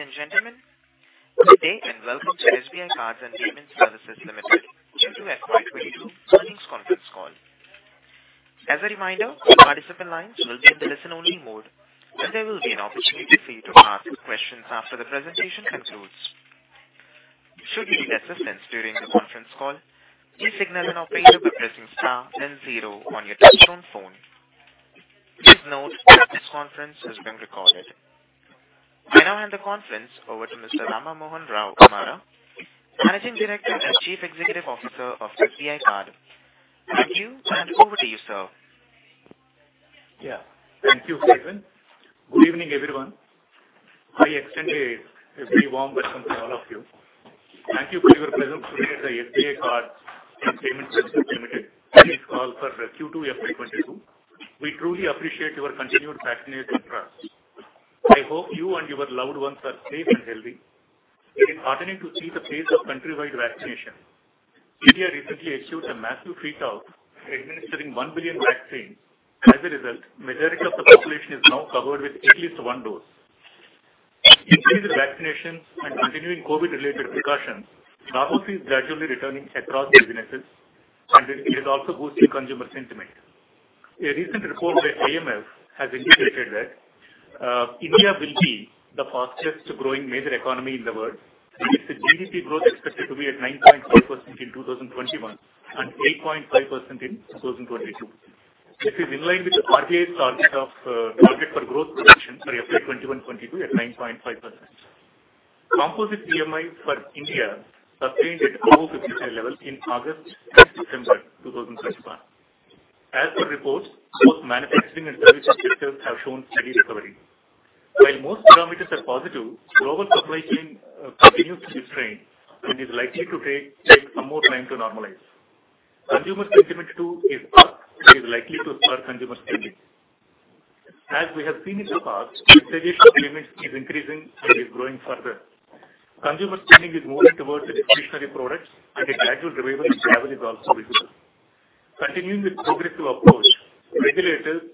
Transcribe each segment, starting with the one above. Ladies and gentlemen, good day and welcome to SBI Cards and Payment Services Limited Q2 FY 2022 Earnings Conference Call. As a reminder, participant lines will be in the listen-only mode, and there will be an opportunity for you to ask questions after the presentation concludes. Should you need assistance during the conference call, please signal an operator by pressing star then zero on your touchtone phone. Please note that this conference is being recorded. I now hand the conference over to Mr. Rama Mohan Rao Amara, Managing Director and Chief Executive Officer of SBI Card. Thank you, and over to you, sir. Yeah. Thank you, Steven. Good evening, everyone. I extend a very warm welcome to all of you. Thank you for your presence today at the SBI Cards and Payment Services Limited Earnings Call for Q2 FY 2022. We truly appreciate your continued patronage and trust. I hope you and your loved ones are safe and healthy. It is heartening to see the pace of countrywide vaccination. India recently achieved a massive feat of administering 1 billion vaccines. As a result, majority of the population is now covered with at least one dose. Increased vaccinations and continuing COVID-19-related precautions. Normalcy is gradually returning across businesses and it is also boosting consumer sentiment. A recent report by IMF has indicated that India will be the fastest growing major economy in the world, with the GDP growth expected to be at 9.5% in 2021 and 8.5% in 2022. This is in line with the RBI's target for growth projection for FY 2021/2022 at 9.5%. Composite PMI for India sustained at over 50% level in August and September 2021. As per reports, both manufacturing and services sectors have shown steady recovery. While most parameters are positive, global supply chain continues to be strained and is likely to take some more time to normalize. Consumer sentiment too is up and is likely to spur consumer spending. As we have seen in the past, digital payments is increasing and is growing further. Consumer spending is moving towards the discretionary products and the gradual revival in travel is also visible. Continuing with progressive approach, regulators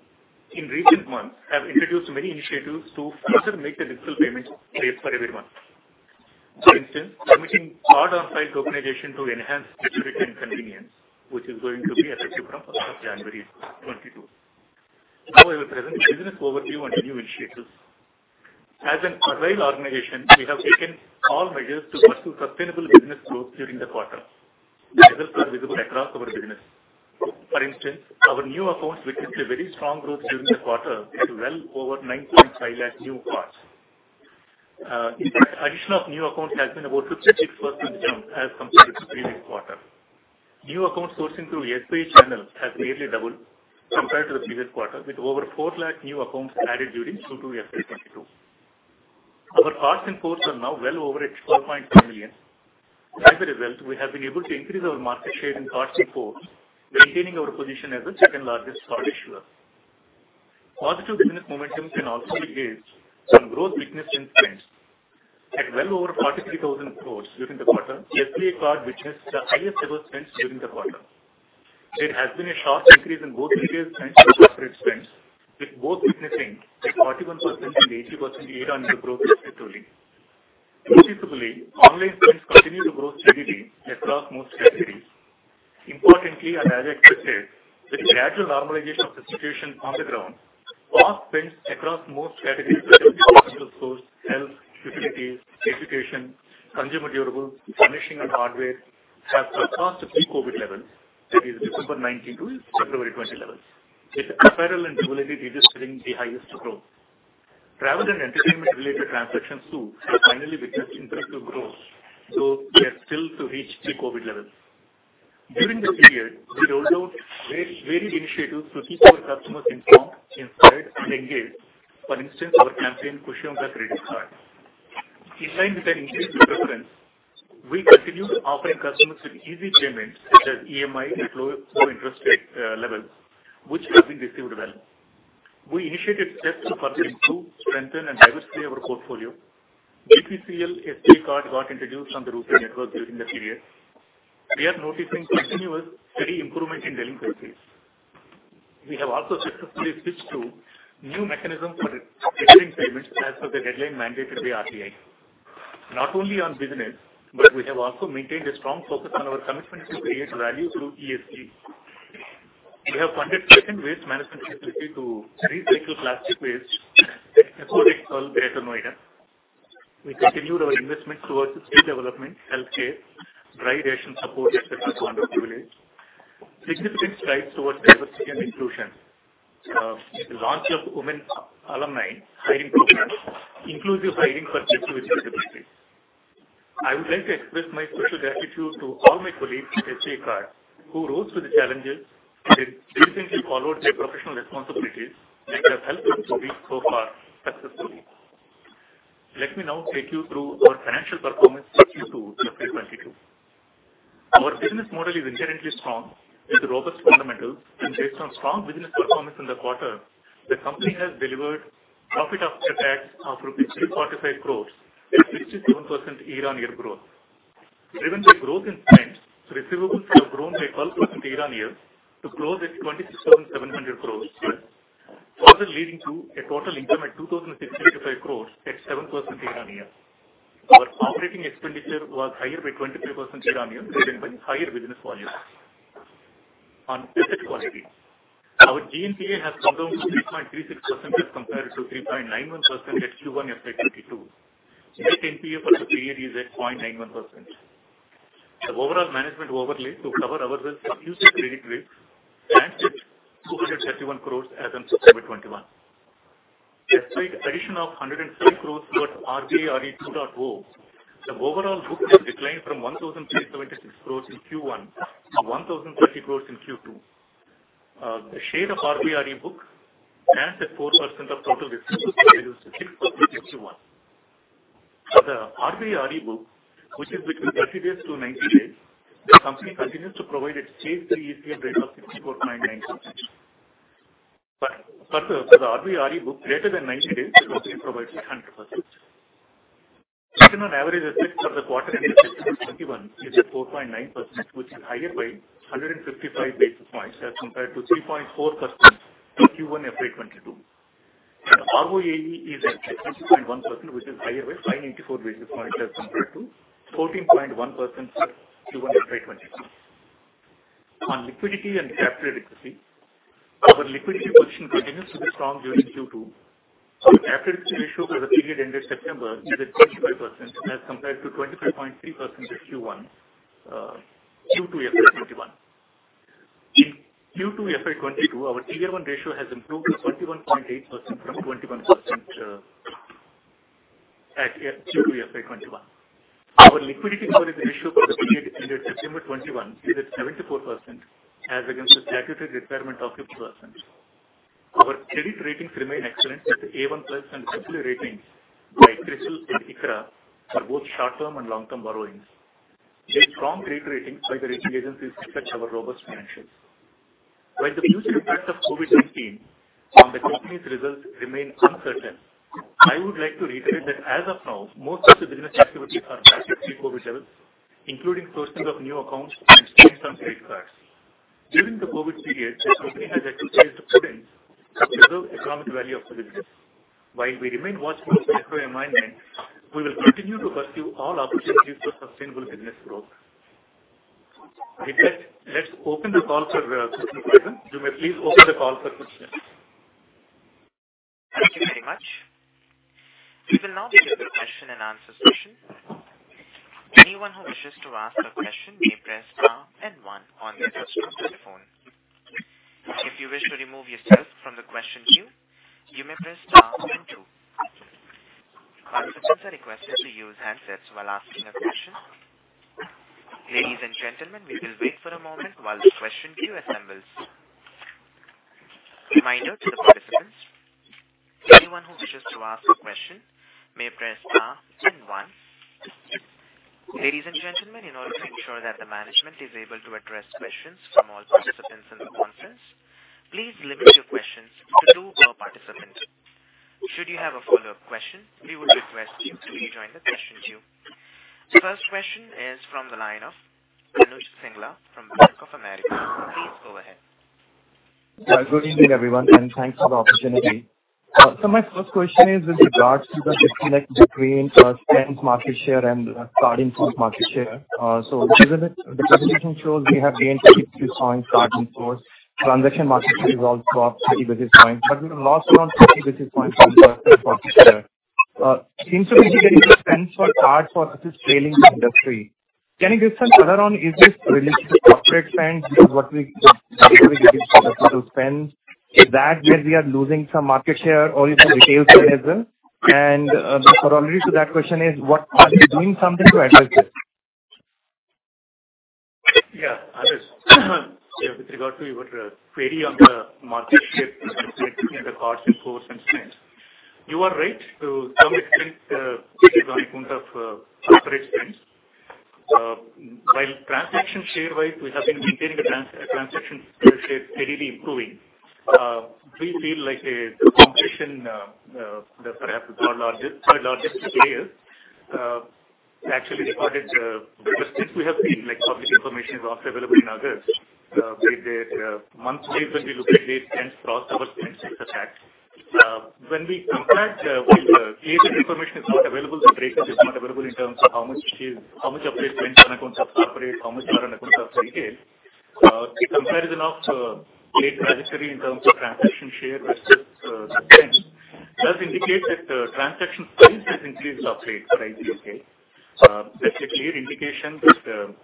in recent months have introduced many initiatives to further make the digital payment easier for everyone. For instance, permitting card-on-file tokenization to enhance security and convenience, which is going to be effective from January 1, 2022. Now I will present business overview on new initiatives. As an agile organization, we have taken all measures to pursue sustainable business growth during the quarter. The results are visible across our business. For instance, our new accounts witnessed a very strong growth during the quarter at well over 9.5 lakh new cards. In fact, addition of new accounts has been about 56% jump as compared to previous quarter. New account sourcing through SBI channel has nearly doubled compared to the previous quarter, with over four lakh new accounts added during Q2 FY 2022. Our cards in force are now well over 12.4 million. As a result, we have been able to increase our market share in cards in force, maintaining our position as the second largest card issuer. Positive business momentum can also be gauged from growth witnessed in spends. At well over 43,000 crore during the quarter, SBI Card witnessed the highest ever spends during the quarter. There has been a sharp increase in both retail spends and corporate spends, with both witnessing a 41% and 80% year-on-year growth respectively. Noticeably, online spends continue to grow steadily across most categories. Importantly, as expected, with gradual normalization of the situation on the ground, card spends across most categories such as groceries, health, utilities, education, consumer durables, furnishing and hardware, have surpassed pre-COVID levels, that is December 2019 to February 2020 levels. With apparel and jewelry registering the highest growth. Travel and entertainment related transactions too have finally witnessed improved growth, though they are still to reach pre-COVID levels. During this period, we rolled out various initiatives to keep our customers informed, inspired and engaged. For instance, our campaign, Khushiyon Ka Credit Card. In line with an increased preference, we continue to offer customers with easy payments such as EMI at low interest rate levels, which have been received well. We initiated steps to further improve, strengthen and diversify our portfolio. BPCL SBI Card got introduced on the RuPay network during the period. We are noticing continuous steady improvement in delinquency. We have also successfully switched to new mechanism for debiting payments as per the deadline mandated by RBI. Not only on business, but we have also maintained a strong focus on our commitment to create value through ESG. We have funded second waste management facility to recycle plastic waste at a facility called Beta Noida. We continued our investment towards skill development, healthcare, dry ration support, etc. to underprivileged. Significant strides towards diversity and inclusion with the launch of women alumni hiring program, inclusive hiring for people with disability. I would like to express my special gratitude to all my colleagues at SBI Card who rose to the challenges and diligently followed their professional responsibilities that have helped us to reach so far successfully. Let me now take you through our financial performance for Q2 FY 2022. Our business model is inherently strong, with robust fundamentals. Based on strong business performance in the quarter, the company has delivered profit after tax of rupees 345 crore at 67% year-on-year growth. Driven by growth in spend, receivables have grown by 12.09% year-on-year to close at 26,700 crore, further leading to a total income of 2,065 crore at 7% year-on-year. Our operating expenditure was higher by 23% year-on-year, driven by higher business volume. On asset quality, our GNPA has come down to 3.36% as compared to 3.91% at Q1 FY 2022. Net NPA for the period is at 0.91%. The overall management overlay to cover our risk of future credit risk stands at 231 crores as on September 21. Despite addition of 107 crores towards RBI RE 2.0, the overall book has declined from 1,376 crores in Q1 to 1,030 crores in Q2. The share of RBI RE book stands at 4% of total receivables, compared to 6% in Q1. For the RBI RE book, which is between 30 days to 90 days, the company continues to provide a PCR of 64.99%. For the RBI RE book greater than 90 days, the company provides 100%. Second, on average, the risk for the quarter ended September 2021 is at 4.9%, which is higher by 155 basis points as compared to 3.4% in Q1 FY 2022. ROAE is at 20.1%, which is higher by 984 basis points as compared to 14.1% in Q1 FY 2022. On liquidity and capital adequacy, our liquidity position continues to be strong during Q2. Our capital ratio for the period ended September is at 25% as compared to 23.3% at Q1, Q2 FY 2021. In Q2 FY 2022, our tier one ratio has improved to 21.8% from 21% at Q2 FY 2021. Our liquidity coverage ratio for the period ended September 2021 is at 74% as against the statutory requirement of 50%. Our credit ratings remain excellent with the A1+ and stable ratings by CRISIL and ICRA for both short-term and long-term borrowings. These strong credit ratings by the rating agencies reflect our robust financials. While the future impact of COVID-19 on the company's results remain uncertain, I would like to reiterate that as of now, most of the business activities are back at pre-COVID levels, including sourcing of new accounts and issuance of credit cards. During the COVID period, the company has had to exercise prudence to preserve economic value of the business. While we remain watchful of macro environment, we will continue to pursue all opportunities for sustainable business growth. With that, let's open the call for question and answer. You may please open the call for questions. Thank you very much. We will now begin the question and answer session. Anyone who wishes to ask a question may press star and one on their touchtone telephone. If you wish to remove yourself from the question queue, you may press star and two. Participants are requested to use handsets while asking a question. Ladies and gentlemen, we will wait for a moment while the question queue assembles. Reminder to the participants, anyone who wishes to ask a question may press star and one. Ladies and gentlemen, in order to ensure that the management is able to address questions from all participants in the conference, please limit your questions to two per participant. Should you have a follow-up question, we would request you to rejoin the question queue. First question is from the line of Anuj Singla from Bank of America. Please go ahead. Good evening, everyone, and thanks for the opportunity. My first question is with regards to the 50% spend market share and card in force market share. The presentation shows we have gained 52 points card in force. Transaction market share is also up 30 basis points, but we lost around 30 basis points on corporate market share. Seems to be the use of spend for card for us is trailing the industry. Can you give some color on is this related to corporate spend because what we spend, is that where we are losing some market share or in the retail space as well? The corollary to that question is, what are you doing something to address this? Yeah. Anuj, with regard to your query on the market share between the cards in force and spends. You are right to some extent. It is on account of corporate spends. While transaction share-wise, we have been maintaining the transaction share steadily improving, we feel like the competition, perhaps the third largest player, actually started. Since we have seen, like, public information is also available in August with their monthly when we look at the spends across our spends with effect. When we compare it, while the aggregated information is not available, the breakup is not available in terms of how much share, how much of their spend on account of corporate, how much on account of retail. The comparison of late registry in terms of transaction share versus the spends does indicate that transaction spends has increased of late for IDFC. That's a clear indication that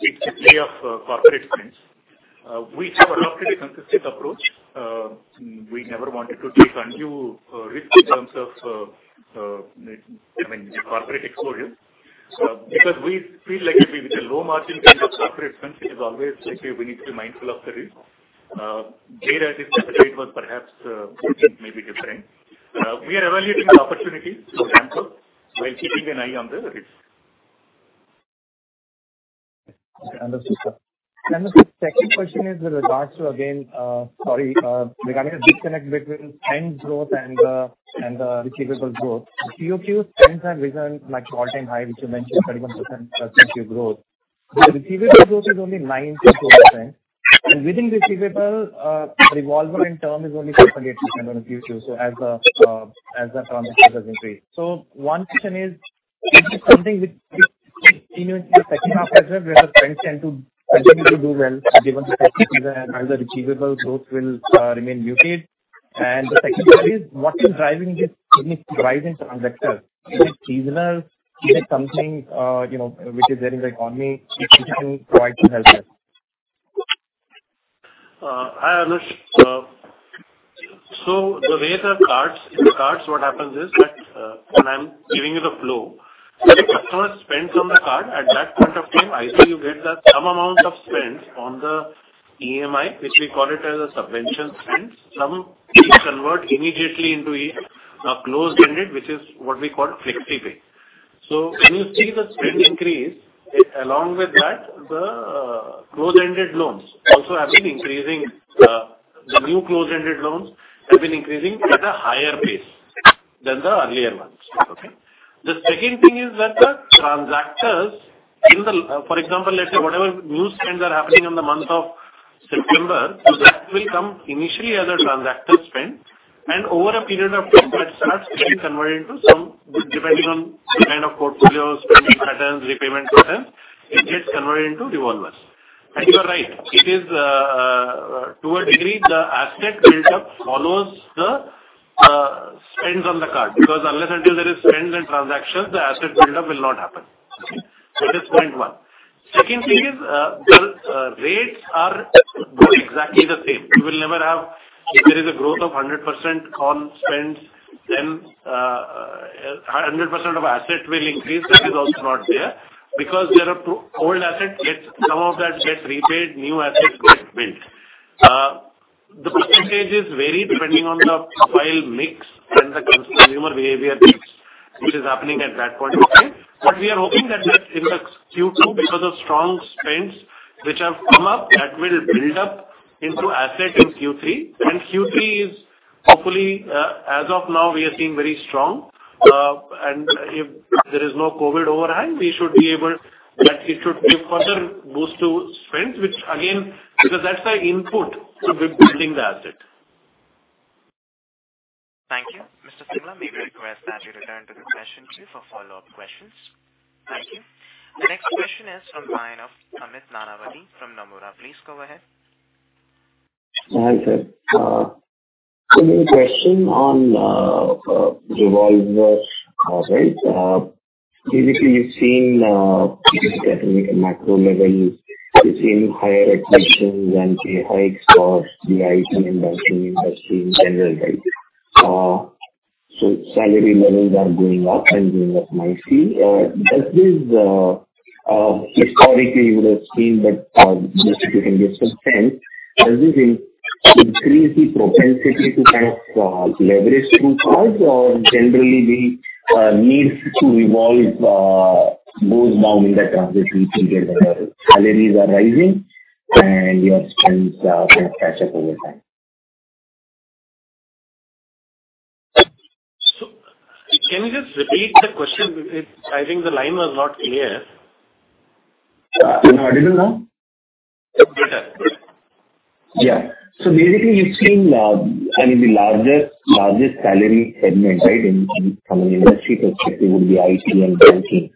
it's a play of corporate spends. We have adopted a consistent approach. We never wanted to take a new risk in terms of, I mean, corporate exposure. Because we feel like with the low-margin business of corporate spends, it is always like we need to be mindful of the risk. That at this point of late was perhaps maybe different. We are evaluating the opportunity to ramp up while keeping an eye on the risk. Okay. Understood, sir. The second question is with regards to, again, sorry, regarding the disconnect between spend growth and the receivables growth. The QoQ spends have risen like all-time high, which you mentioned, 31% Q2 growth. The receivables growth is only 9.4%. Within receivables, revolver and term is only 0.8% on a Q2, so as the transactor doesn't raise. One question is this something which continue into the second half as well, where the spends tend to continue to do well given as the receivables growth will remain muted. The second query is, what is driving this significant rise in transactors? Is it seasonal? Is it something, you know, which is there in the economy if you can provide some help there? Hi, Anuj. In cards what happens is that, when I'm giving you the flow, when a customer spends on the card, at that point of time, we get that some amount of spend on the EMI, which we call it as a subvention spend. Some we convert immediately into a closed-ended, which is what we call Flexipay. When you see the spend increase, along with that, the closed-ended loans also have been increasing. The new closed-ended loans have been increasing at a higher pace than the earlier ones. Okay? The second thing is that the transactors in the For example, let's say whatever new spends are happening in the month of September, so that will come initially as a transactor spend and over a period of time that starts getting converted into some, depending on the kind of portfolios, spending patterns, repayment patterns, it gets converted into revolvers. You are right, it is, to a degree, the asset build-up follows the spends on the card because unless until there is spends and transactions, the asset build-up will not happen. Okay? That's point one. Second thing is, the rates are both exactly the same. We will never have if there is a growth of 100% card spends, then, a 100% of assets will increase. That is also not there. Because there are old assets, yet some of that gets repaid, new assets get built. The percentages vary depending on the profile mix and the consumer behavior mix which is happening at that point of time. We are hoping that in the Q2, because of strong spends which have come up, that will build up into asset in Q3. Q3 is hopefully, as of now, we are seeing very strong. If there is no COVID overhang, we should be able that it should give further boost to spends, which again, because that's the input to building the asset. Thank you. Mr. Singla, may we request that you return to the question queue for follow-up questions. Thank you. The next question is from the line of Amit Nanavati from Nomura. Please go ahead. Hi, sir. My question on revolver rates. Typically you've seen at a macro level higher attrition than pay hikes for the IT and banking industry in general, right? Salary levels are going up and going up nicely. Does this historically you would have seen that this can give some sense. Does this increase the propensity to kind of leverage through cards or generally the needs to revolve goes down in the transitory period where salaries are rising and your spends kind of catch up over time? Can you just repeat the question? It's, I think the line was not clear. No, I didn't know. Better. Good. Yeah. Basically you've seen, I mean, the largest salary segment, right, in from an industry perspective would be IT and banking.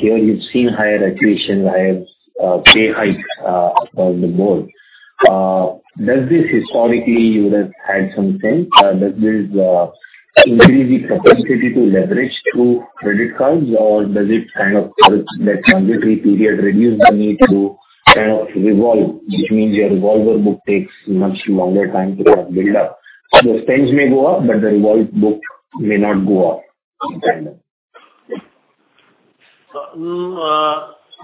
Here you've seen higher attrition, higher pay hikes across the board. Does this increase the propensity to leverage through credit cards or does it kind of that transitory period reduce the need to kind of revolve, which means your revolver book takes much longer time to kind of build up. The spends may go up, but the revolve book may not go up in tandem.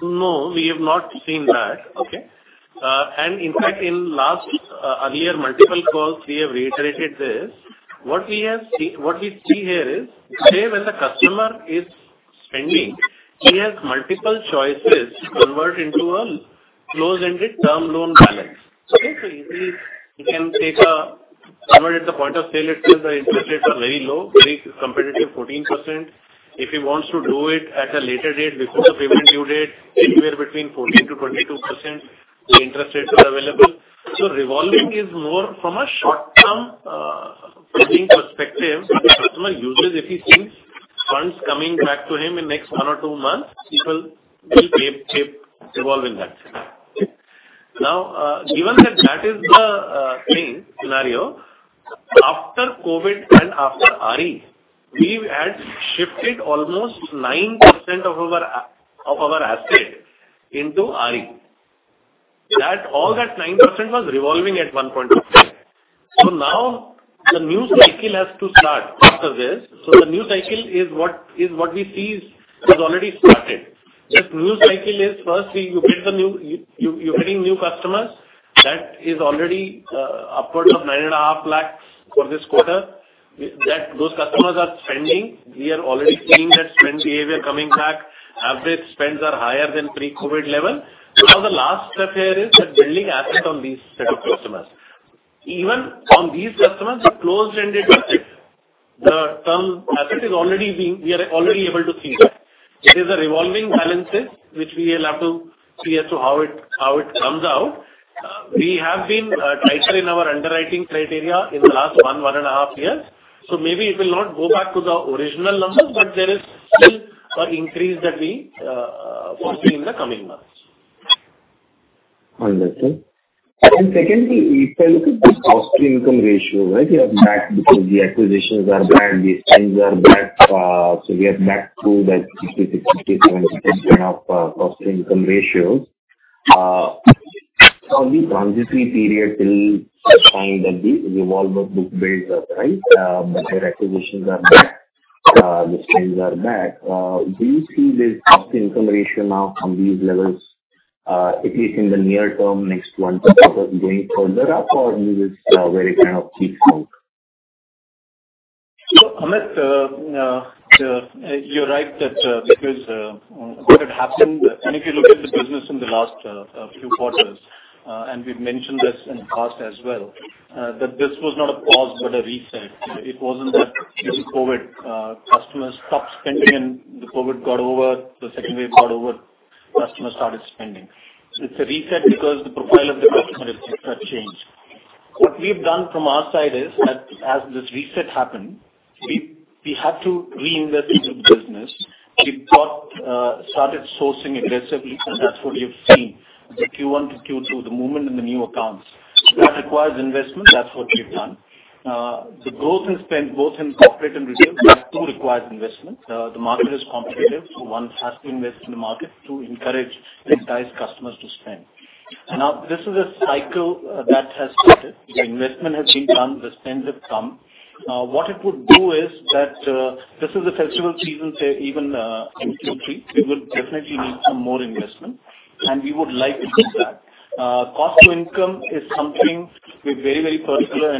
No, we have not seen that. Okay. In fact, in last, earlier multiple calls we have reiterated this. What we see here is today when the customer is spending, he has multiple choices to convert into a closed-ended term loan balance. Okay? He can convert at the point of sale. Let's say the interest rates are very low, very competitive, 14%. If he wants to do it at a later date before the payment due date, anywhere between 14% to 22%, the interest rates are available. Revolving is more from a short-term funding perspective. The customer uses if he sees funds coming back to him in next one or two months, people will keep revolving that. Okay? Now, given that that is the same scenario, after COVID and after RE, we had shifted almost 9% of our assets into RE. All that 9% was revolving at one point of time. Now the new cycle has to start after this. The new cycle is what we see is already started. That new cycle is first, you get the new customers. It is already upward of 9.5 lakh for this quarter. Those customers are spending, we are already seeing that spend behavior coming back. Average spends are higher than pre-COVID level. Now, the last step here is that building assets on these set of customers. Even on these customers, the closed-ended assets, the term asset is already being. We are already able to see that. It is a revolving balances which we will have to see as to how it comes out. We have been tighter in our underwriting criteria in the last one and a half years. Maybe it will not go back to the original numbers, but there is still an increase that we foresee in the coming months. Understood. Secondly, if I look at this cost to income ratio, right? You are back because the acquisitions are back, the spends are back. We are back to that 60% to 67% cost to income ratio. This transitory period will find that the revolver book builds up, right? The higher acquisitions are back, the spends are back. Do you see this cost to income ratio now from these levels, at least in the near term, next one to 12 months going further up or is this very kind of peak out? Amit, you're right that because what had happened, and if you look at the business in the last few quarters, and we've mentioned this in the past as well, that this was not a pause but a reset. It wasn't that due to COVID customers stopped spending and the COVID got over, the second wave got over, customers started spending. It's a reset because the profile of the customer had changed. What we've done from our side is that as this reset happened, we had to reinvest into the business. We started sourcing aggressively, so that's what you've seen. The Q1 to Q2 movement in the new accounts requires investment. That's what we've done. The growth in spend, both in corporate and retail, that too requires investment. The market is competitive, so one has to invest in the market to encourage, entice customers to spend. Now, this is a cycle that has started. The investment has been done, the spends have come. What it would do is that this is a festival season, say even in Q3, it will definitely need some more investment, and we would like to do that. Cost to income is something we're very, very particular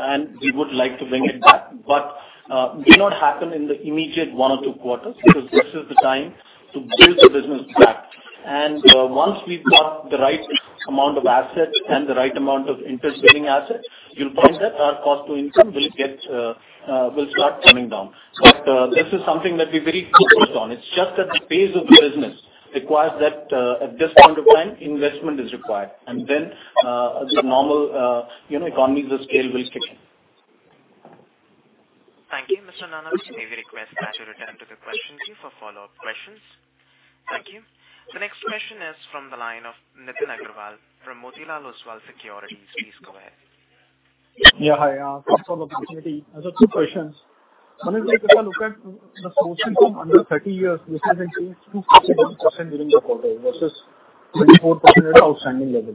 and we would like to bring it back, but may not happen in the immediate one or two quarters because this is the time to build the business back. Once we've got the right amount of assets and the right amount of interest-bearing assets, you'll find that our cost to income will start coming down. This is something that we're very focused on. It's just that the pace of the business requires that, at this point of time, investment is required. The normal, you know, economies of scale will kick in. Thank you, Mr. Nanavati. May we request that you return to the question queue for follow-up questions. Thank you. The next question is from the line of Nitin Aggarwal from Motilal Oswal Securities. Please go ahead. Yeah, hi. Thanks for the opportunity. I just have two questions. One is, if I look at the sourcing from under 30 years, this has increased to 51% during the quarter versus 24% at outstanding level.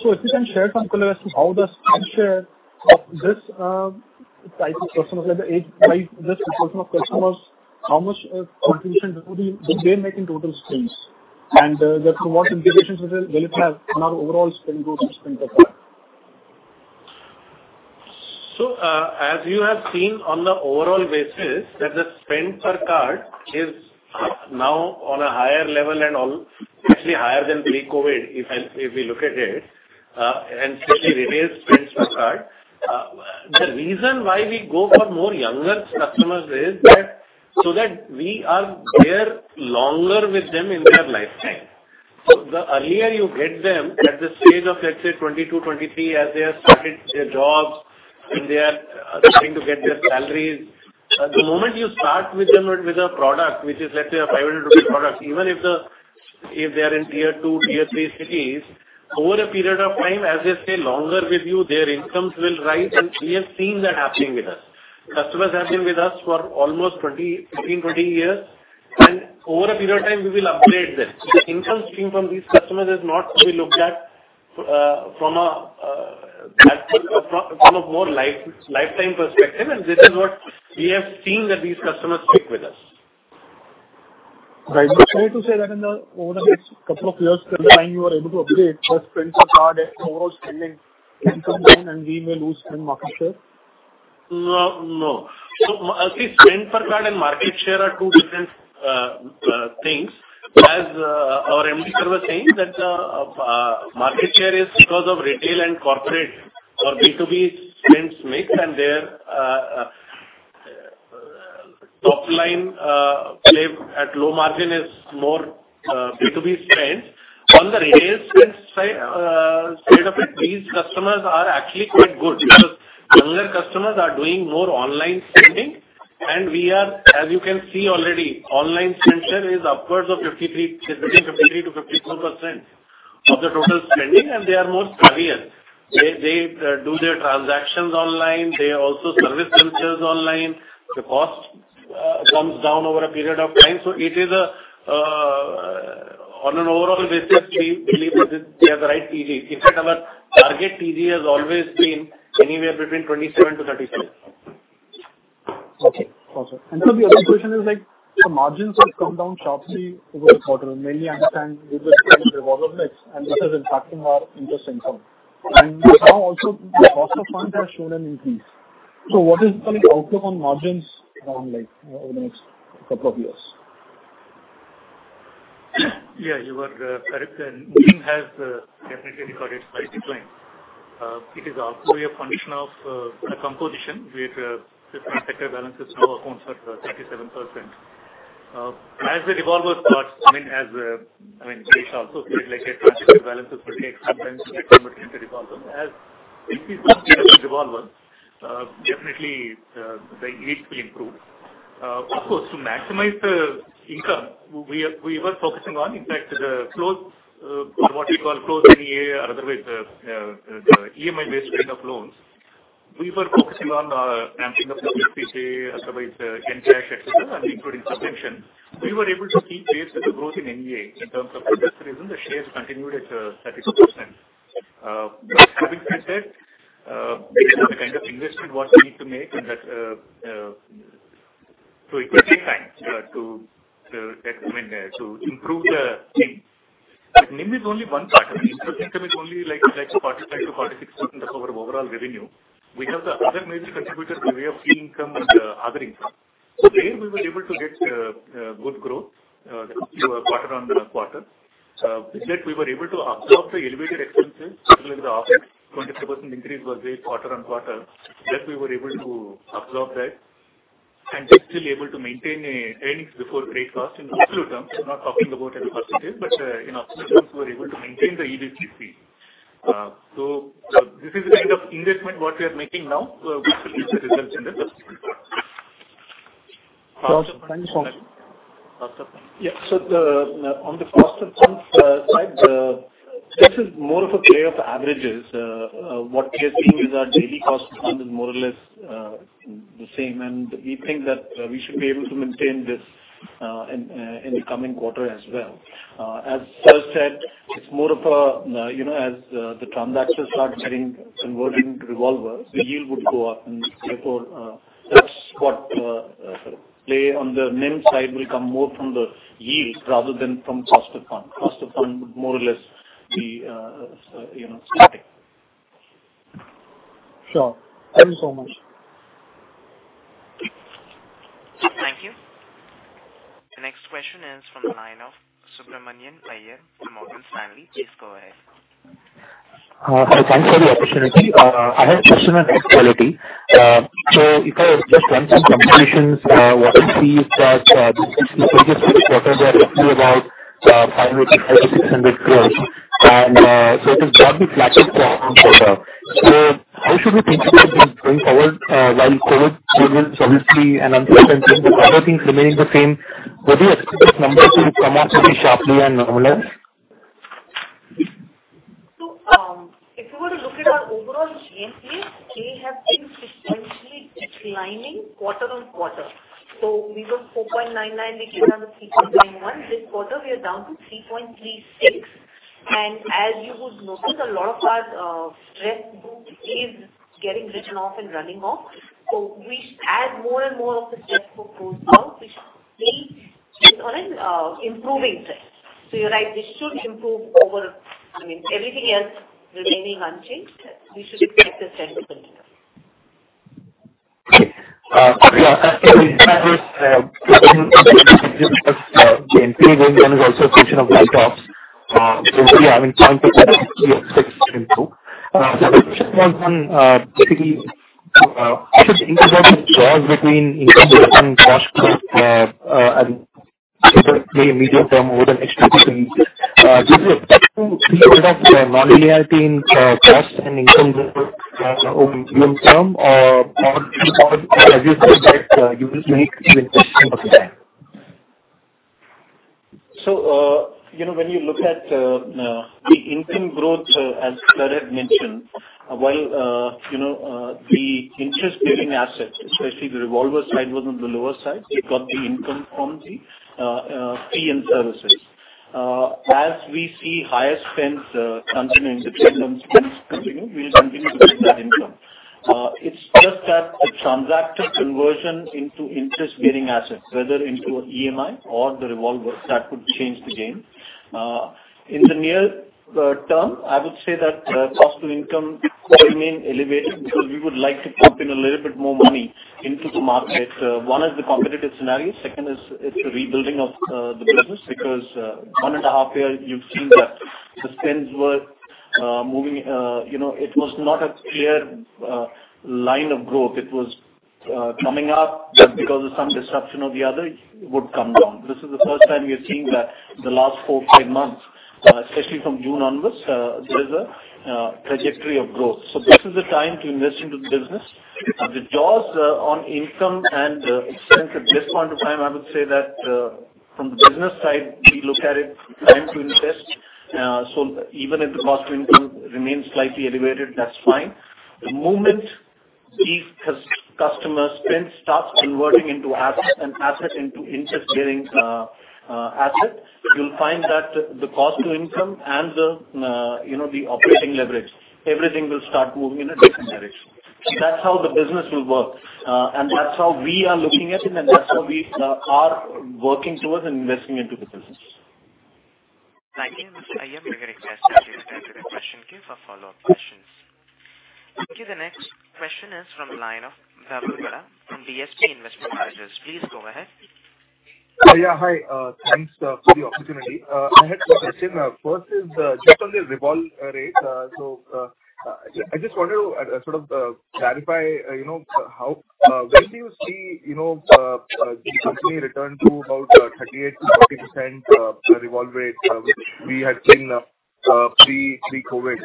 So if you can share some color as to how the spend share of this type of customers, like the age type, this portion of customers, how much contribution do they make in total spends? And what implications will it have on our overall spend growth and spend per card? As you have seen on the overall basis that the spend per card is now on a higher level and all, actually higher than pre-COVID, if we look at it, and especially retail spends per card. The reason why we go for more younger customers is that so that we are there longer with them in their lifetime. The earlier you get them at the stage of, let's say, 22, 23, as they have started their jobs and they are starting to get their salaries. The moment you start with them with a product which is, let's say, a 500 rupees product, even if they are in tier two, tier three cities, over a period of time, as they stay longer with you, their incomes will rise, and we have seen that happening with us. Customers have been with us for almost 20, 15, 20 years, and over a period of time we will upgrade them. The income stream from these customers is not to be looked at from a more lifetime perspective, and this is what we have seen that these customers stick with us. Right. Safe to say that over the next couple of years from the time you are able to upgrade the spend per card and overall spending income line and we may lose some market share? No, no. See, spend per card and market share are two different things. As our MD sir was saying that market share is because of retail and corporate or B2B spends mix and their top line play at low margin is more B2B spends. On the retail spends side of it, these customers are actually quite good because younger customers are doing more online spending and we are, as you can see already, online spend share is upwards of 53, between 53% to 54% of the total spending, and they are more savvier. They do their transactions online. They also service themselves online. The cost comes down over a period of time. It is, on an overall basis, we believe this is, they are the right TG. In fact, our target TG has always been anywhere between 27 to 37. Okay. Got you. The other question is like the margins have come down sharply over the quarter. Mainly I understand due to the kind of revolvers and this is impacting our interest income. Now also the cost of funds has shown an increase. What is the like outlook on margins on like, you know, over the next couple of years? Yeah, you are correct. NIM has definitely recorded slight decline. It is actually a function of a composition where this sector balances now accounts for 37%. As the revolvers start, I mean, this also feels like a transfer balance is pretty expensive and converted into revolver. As increase of revolvers definitely the yields will improve. Of course, to maximize the income we were focusing on, in fact, the close, what you call close NPA or otherwise the EMI-based kind of loans, we were focus on amping up the PCA otherwise the Encash et cetera, and including subvention. We were able to keep pace with the growth in NPA. In terms of interest reason, the shares continued at 36%. Having said that, these are the kind of investment what we need to make and that to improve the NIM. NIM is only one part of it. Income is only like 45% to 46% of our overall revenue. We have the other major contributors by way of fee income and other income. There we were able to get good growth quarter-on-quarter. With that we were able to absorb the elevated expenses, particularly the operating. 22% increase was there quarter-on-quarter. That we were able to absorb that and just still able to maintain earnings before credit cost in absolute terms. I'm not talking about as a percentage, but you know, in absolute terms we were able to maintain the EBCC. This is the kind of investment what we are making now. We shall give the results in the subsequent quarters. Awesome. Thank you so much. On the cost of funds side, this is more of a play of averages. What we are seeing is our daily cost of fund is more or less the same. We think that we should be able to maintain this in the coming quarter as well. As sir said, it's more of a you know as the transactions start getting converted into revolvers, the yield would go up and therefore that's the play on the NIM side will come more from the yields rather than from cost of fund. Cost of fund would more or less be you know static. Sure. Thank you so much. Thank you. The next question is from the line of Subramanian Iyer from Morgan Stanley. Please go ahead. Hi. Thanks for the opportunity. I have a question on credit quality. If I just run some computations, what I see is that this is the previous quarter, they are roughly about 550 crores to 600 crores. It is probably flattest quarter-on-quarter. How should we think about this going forward, while COVID levels obviously an uncertainty, but other things remaining the same, whether you expect this number to come off pretty sharply and normalize? If you were to look at our overall GNPA, they have been consistently declining quarter-on-quarter. We went 4.99%, we came down to 3.91%. This quarter we are down to 3.36%. As you would notice, a lot of our stress book is getting written off and running off. As more and more of the stress book goes out, we should see an improving trend. You're right, this should improve over, I mean, everything else remaining unchanged, we should expect this trend to continue. Okay. Quickly on that note, one, GNPA going down is also a function of write-offs. Yeah, I mean, going forward we expect this to improve. The other question was on, typically, how should think about the jaws between income and cost, I mean, say the medium term over the next two to three years. Do you expect to see sort of linearity in cost and income growth over medium term or how do you think or have you said that you will need to see this trend over time? You know, when you look at the income growth, as sir had mentioned, while you know the interest bearing assets, especially the revolver side, was on the lower side. We got the income from the fee and services. As we see higher spends continuing, the trends on spends continue, we will continue to get that income. It's just that the transactor conversion into interest bearing assets, whether into EMI or the revolvers, that could change the game. In the near term, I would say that cost to income will remain elevated because we would like to pump in a little bit more money into the market. One is the competitive scenario. Second is the rebuilding of the business because 1.5 years you've seen that the spends were moving you know it was not a clear line of growth. It was coming up, but because of some disruption or the other, it would come down. This is the first time we are seeing that the last four to ten months especially from June onwards there is a trajectory of growth. This is the time to invest into the business. The jaws on income and expense at this point of time, I would say that from the business side, we look at it time to invest. Even if the cost to income remains slightly elevated, that's fine. The moment these customer spend starts converting into assets and assets into interest bearing assets, you'll find that the cost to income and you know, the operating leverage, everything will start moving in a different direction. That's how the business will work. That's how we are looking at it, and that's how we are working towards investing into the business. Thank you, Mr. Iyer. We're gonna take a brief break to the question queue for follow-up questions. Okay, the next question is from the line of Dhaval Gada from DSP Investment Managers. Please go ahead. Yeah. Hi, thanks for the opportunity. I had two questions. First is just on the revolve rate. So, I just wanted to sort of clarify, you know, when do you see, you know, the company return to about 38% to 40% revolve rate, which we had seen pre-COVID?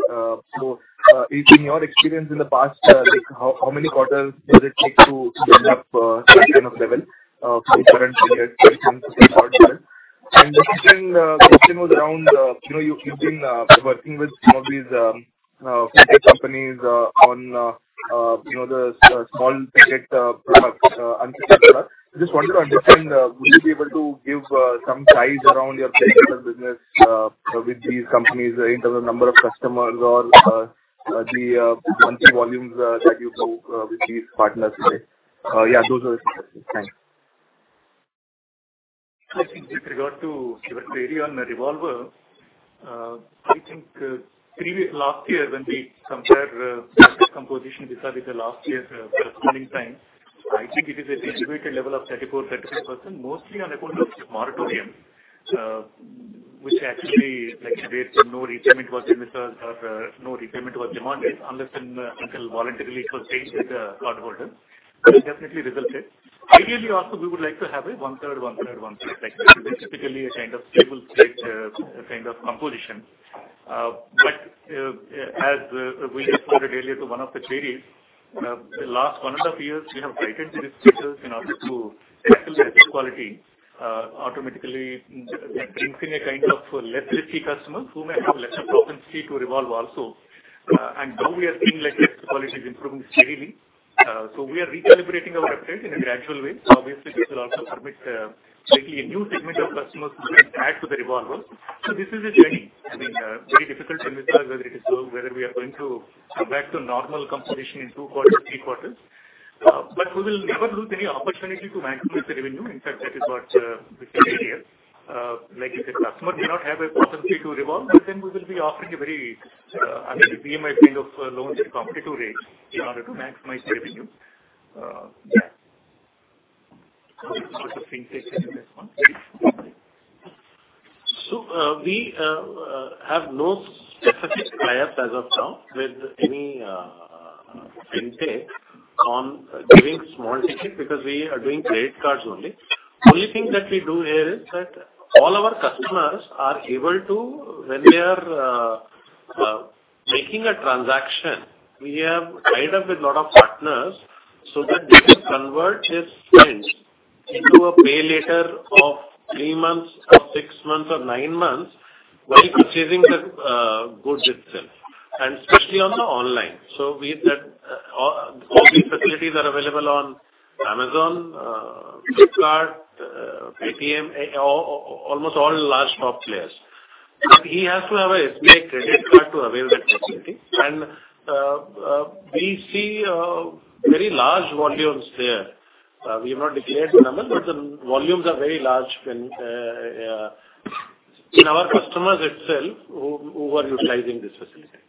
In your experience in the past, like how many quarters does it take to build up that kind of level for the current period from this point forward? The second question was around, you know, you've been working with some of these fintech companies on, you know, the small ticket products, and so on. Just wanted to understand, would you be able to give some size around your ticket size of business with these companies in terms of number of customers or the monthly volumes that you do with these partners today? Yeah, those are questions. Thanks. I think with regard to your query on the revolver, I think, last year when we compare asset composition as of last year, I think it is at an elevated level of 33% to 34%, mostly on account of moratorium, which actually like where no repayment was in the terms or no repayment was demanded unless and until voluntarily it was changed with the cardholder. That definitely resulted. Ideally also we would like to have a 1/3, 1/3, 1/3. Like, basically a kind of stable state, kind of composition. As we responded earlier to one of the queries, the last one and a half years, we have tightened the risk features in order to tackle the risk quality, automatically like brings in a kind of less risky customers who may have lesser propensity to revolve also. Though we are seeing like risk quality is improving steadily, we are recalibrating our updates in a gradual way. Obviously this will also permit likely a new segment of customers to get added to the revolvers. This is a journey. I mean, very difficult to anticipate whether it is so, whether we are going to come back to normal composition in two quarters, three quarters. We will never lose any opportunity to maximize the revenue. In fact, that is what we can say here. Like if a customer may not have a propensity to revolve, but then we will be offering a very, I mean, EMI kind of loans at competitive rates in order to maximize the revenue. Yeah. I think this was a fintech kind of response. We have no specific tie-up as of now with any fintech on doing small ticket because we are doing credit cards only. Only thing that we do here is that all our customers are able to, when they are making a transaction, we have tied up with lot of partners so that they can convert his spend into a pay later of three months or six months or nine months while purchasing the goods itself, and especially on the online. With that, all these facilities are available on Amazon, Flipkart, Paytm, almost all large top players. He has to have an HDFC credit card to avail that facility. We see very large volumes there. We have not declared the numbers, but the volumes are very large when in our customers itself who are utilizing this facility.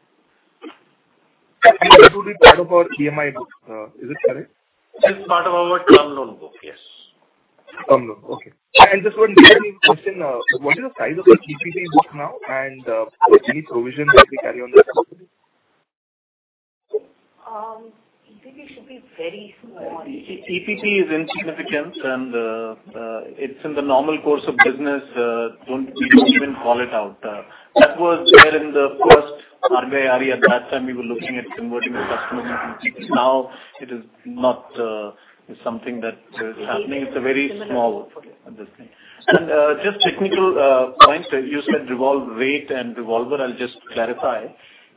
These two will be part of our EMI book, is it correct? It's part of our term loan book. Yes. Term loan. Okay. Just one final question. What is the size of your EPP book now, and any provision that we carry on this account? EPP should be very small. EPP is insignificant and it's in the normal course of business. We don't even call it out. That was there in the first RBI RE. At that time, we were looking at converting the customers into EPP. Now it is not something that is happening. It's a very small. It's insignificant. Okay. Understand. Just technical points. You said revolve rate and revolver. I'll just clarify.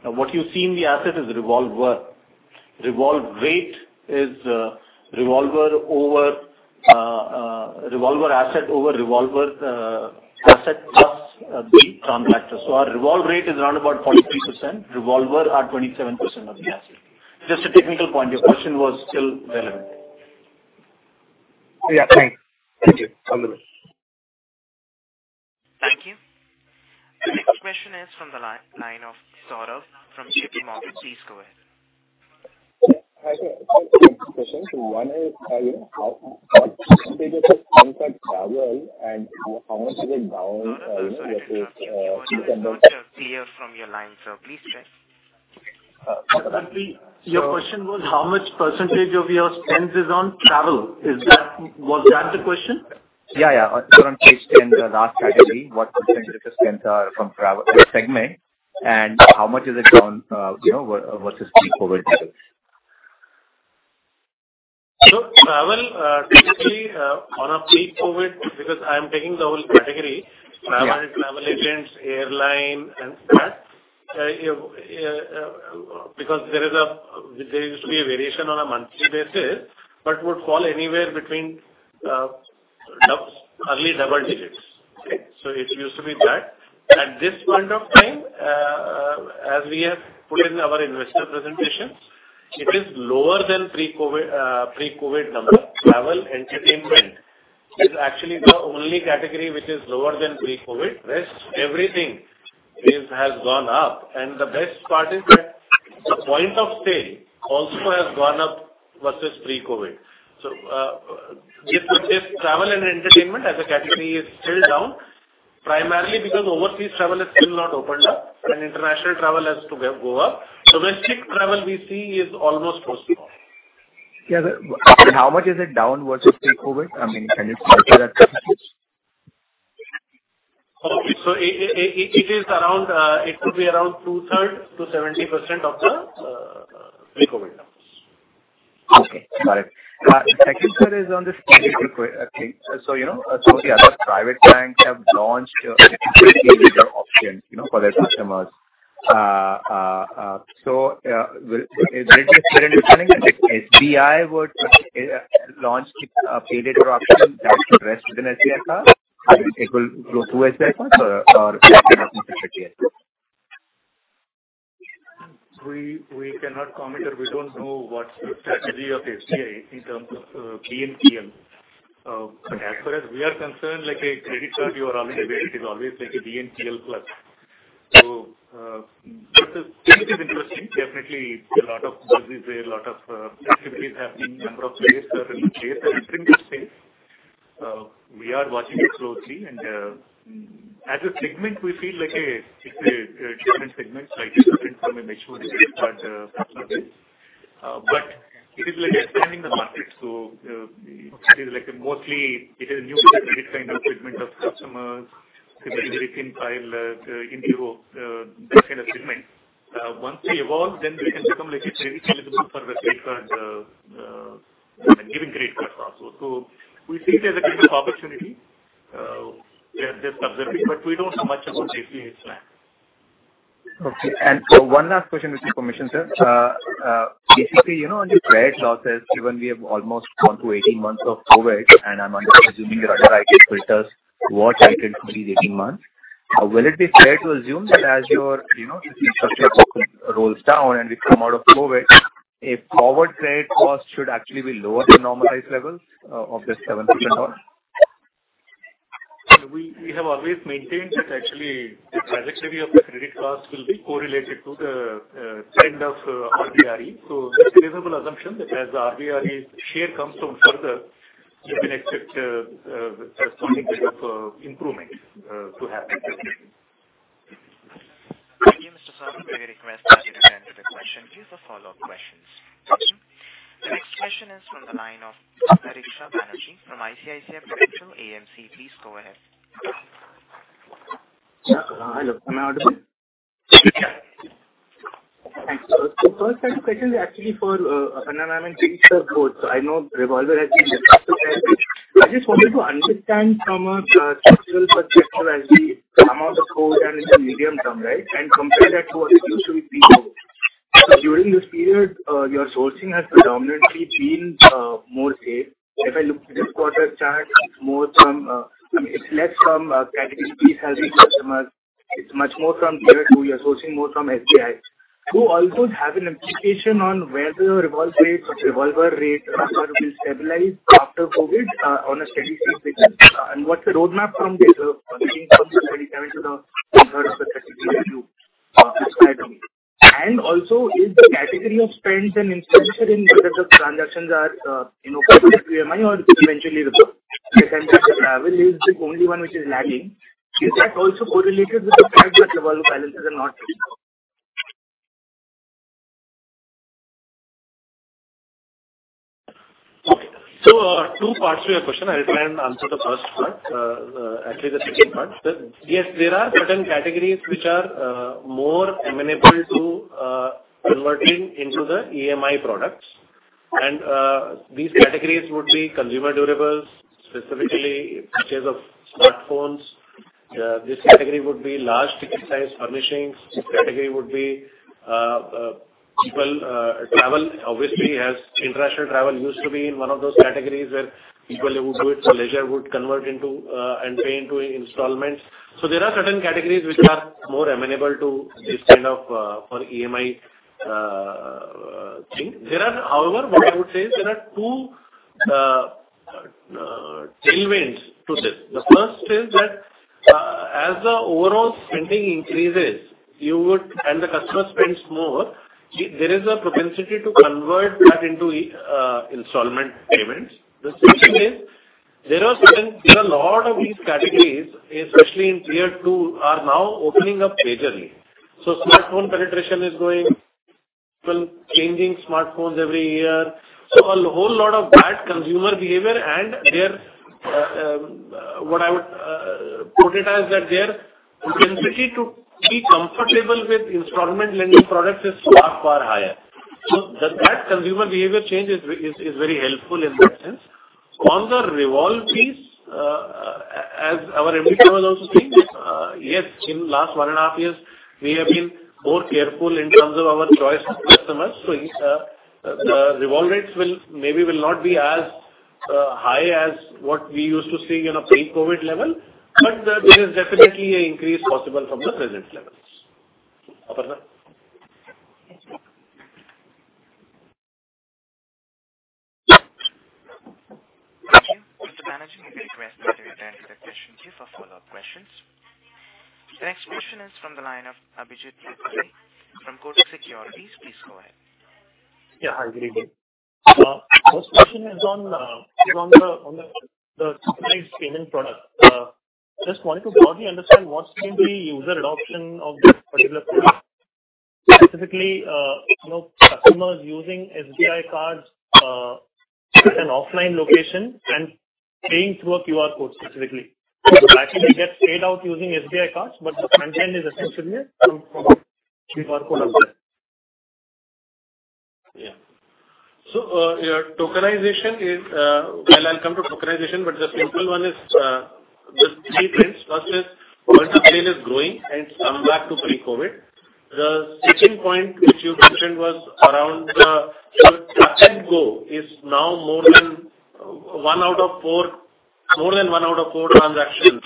What you see in the asset is revolver. Revolve rate is revolver over revolver asset over revolver asset plus the transactors. So our revolve rate is around about 43%, revolver at 27% of the asset. Just a technical point. Your question was still relevant. Yeah. Thanks. Thank you. All the best. Thank you. The next question is from the line of Saurav from Citi. Please go ahead. Hi. Two quick questions. One is, you know, how, what percentage of spend are travel and how much is it down, you know with? Sorry. Your voice is not clear from your line. Please check. Saurav, your question was how much percentage of your spends is on travel. Was that the question? Yeah. On page 10, the last category, what percentage of the spends are from travel segment and how much is it down, you know, versus pre-COVID levels? Look, travel typically on a pre-COVID, because I'm taking the whole category. Yeah. Travel, travel agents, airlines and such. Because there used to be a variation on a monthly basis, but would fall anywhere between roughly early double digits. It used to be that. At this point of time, as we have put in our investor presentation, it is lower than pre-COVID number. Travel, entertainment is actually the only category which is lower than pre-COVID. Rest, everything has gone up, and the best part is that the point of sale also has gone up versus pre-COVID. Travel and entertainment as a category is still down, primarily because overseas travel has still not opened up and international travel has to go up. Domestic travel we see is almost post-COVID. Yeah, how much is it down versus pre-COVID? I mean, can you quantify that percentage? It is around 2/3 to 70% of the pre-COVID numbers. Okay, got it. Second, sir, is on this pay later QR thing. You know, the other private banks have launched options, you know, for their customers. Will it be fair in assuming that if SBI would launch a pay later option that will rest within SBI Card? It will go through SBI Card or We cannot comment or we don't know what the strategy of SBI is in terms of BNPL. But as far as we are concerned, like a credit card bureau, always, it is always like a BNPL Plus. This is interesting. Definitely, a lot of buzz is there, a lot of activities happening, number of players that are in place and different space. We are watching it closely and, as a segment we feel like a, it's a different segment, right? Different from a merchant, but it is like expanding the market. It is like a mostly it is a new to credit kind of segment of customers. Typically, thin file in bureau, that kind of segment. Once they evolve, then they can become like a credit eligible for the credit cards, even credit cards also. We see it as a business opportunity. We are just observing, but we don't know much about SBI's plan. Okay. One last question, with your permission, sir. Basically, you know, on your credit losses, given we have almost gone through 18 months of COVID, and I'm assuming that under IRAC filters we could complete 18 months. Will it be fair to assume that as your, you know, this infrastructure rolls down and we come out of COVID, a forward credit cost should actually be lower than normalized levels of this 7%? We have always maintained that actually the trajectory of the credit cost will be correlated to the trend of IRAC. That's a reasonable assumption that as the IRAC share comes from further, you can expect some impact of improvement to happen. Thank you, Mr. Sarma. We request that you attend to the question. Please for follow-up questions. The next question is from the line of Antariksha Banerjee from ICICI Prudential AMC. Please go ahead. Yeah. Hello, am I audible? Yes. Thanks, sir. First set of questions is actually for [Sanan] and team both. I know revolver has been discussed. I just wanted to understand from a structural perspective as the amount of code and it's a medium term, right? Compare that to what it used to be pre-COVID. During this period, your sourcing has predominantly been more safe. If I look at this quarter chart, it's more from, I mean, it's less from category B having customers. It's much more from Tier 2. You're sourcing more from SBI's. Do all those have an implication on whether revolver rates will stabilize after COVID on a steady-state basis? What's the roadmap from this beginning from 2017 to the third phase of the strategy that you described? Also is the category of spends an indication in whether the transactions are converted to EMI or eventually returned? Second question, travel is the only one which is lagging. Is that also correlated with the fact that revolver balances are not Okay. Two parts to your question. I'll try and answer the first part. Actually the second part. Yes, there are certain categories which are more amenable to converting into the EMI products. These categories would be consumer durables, specifically in case of smartphones. This category would be large ticket size furnishings. This category would be personal travel, obviously, as international travel used to be in one of those categories where people would do it for leisure, would convert into and pay into installments. There are certain categories which are more amenable to this kind of EMI thing. However, what I would say is there are two tailwinds to this. The first is that, as the overall spending increases, you would and the customer spends more, there is a propensity to convert that into installment payments. The second is there are a lot of these categories, especially in Tier 2, are now opening up majorly. Smartphone penetration is going. People changing smartphones every year. A whole lot of that consumer behavior and their what I would put it as that their propensity to be comfortable with installment lending products is far, far higher. That consumer behavior change is very helpful in that sense. On the revolve piece, as our MD was also saying, yes, in last 1.5 years, we have been more careful in terms of our choice of customers. It's revolve rates will maybe not be as high as what we used to see in a pre-COVID level, but there is definitely an increase possible from the present levels. Aparna? Thank you. Mr. Rao, may we request that you return to the question queue for follow-up questions. The next question is from the line of Abhijit Bhutkar from Kotak Securities. Please go ahead. Yeah. Hi, good evening. First question is on the tokenized payment product. Just wanted to broadly understand what's been the user adoption of this particular product. Specifically, customers using SBI Card at an offline location and paying through a QR code specifically. The backend gets paid out using SBI Card, but the front end is essentially a QR code out there. Tokenization is. Well, I'll come to tokenization, but the simple one is, there are three trends. First, point of sale is growing and it's come back to pre-COVID. The second point which you mentioned was around the tap-and-go is now more than one out of four transactions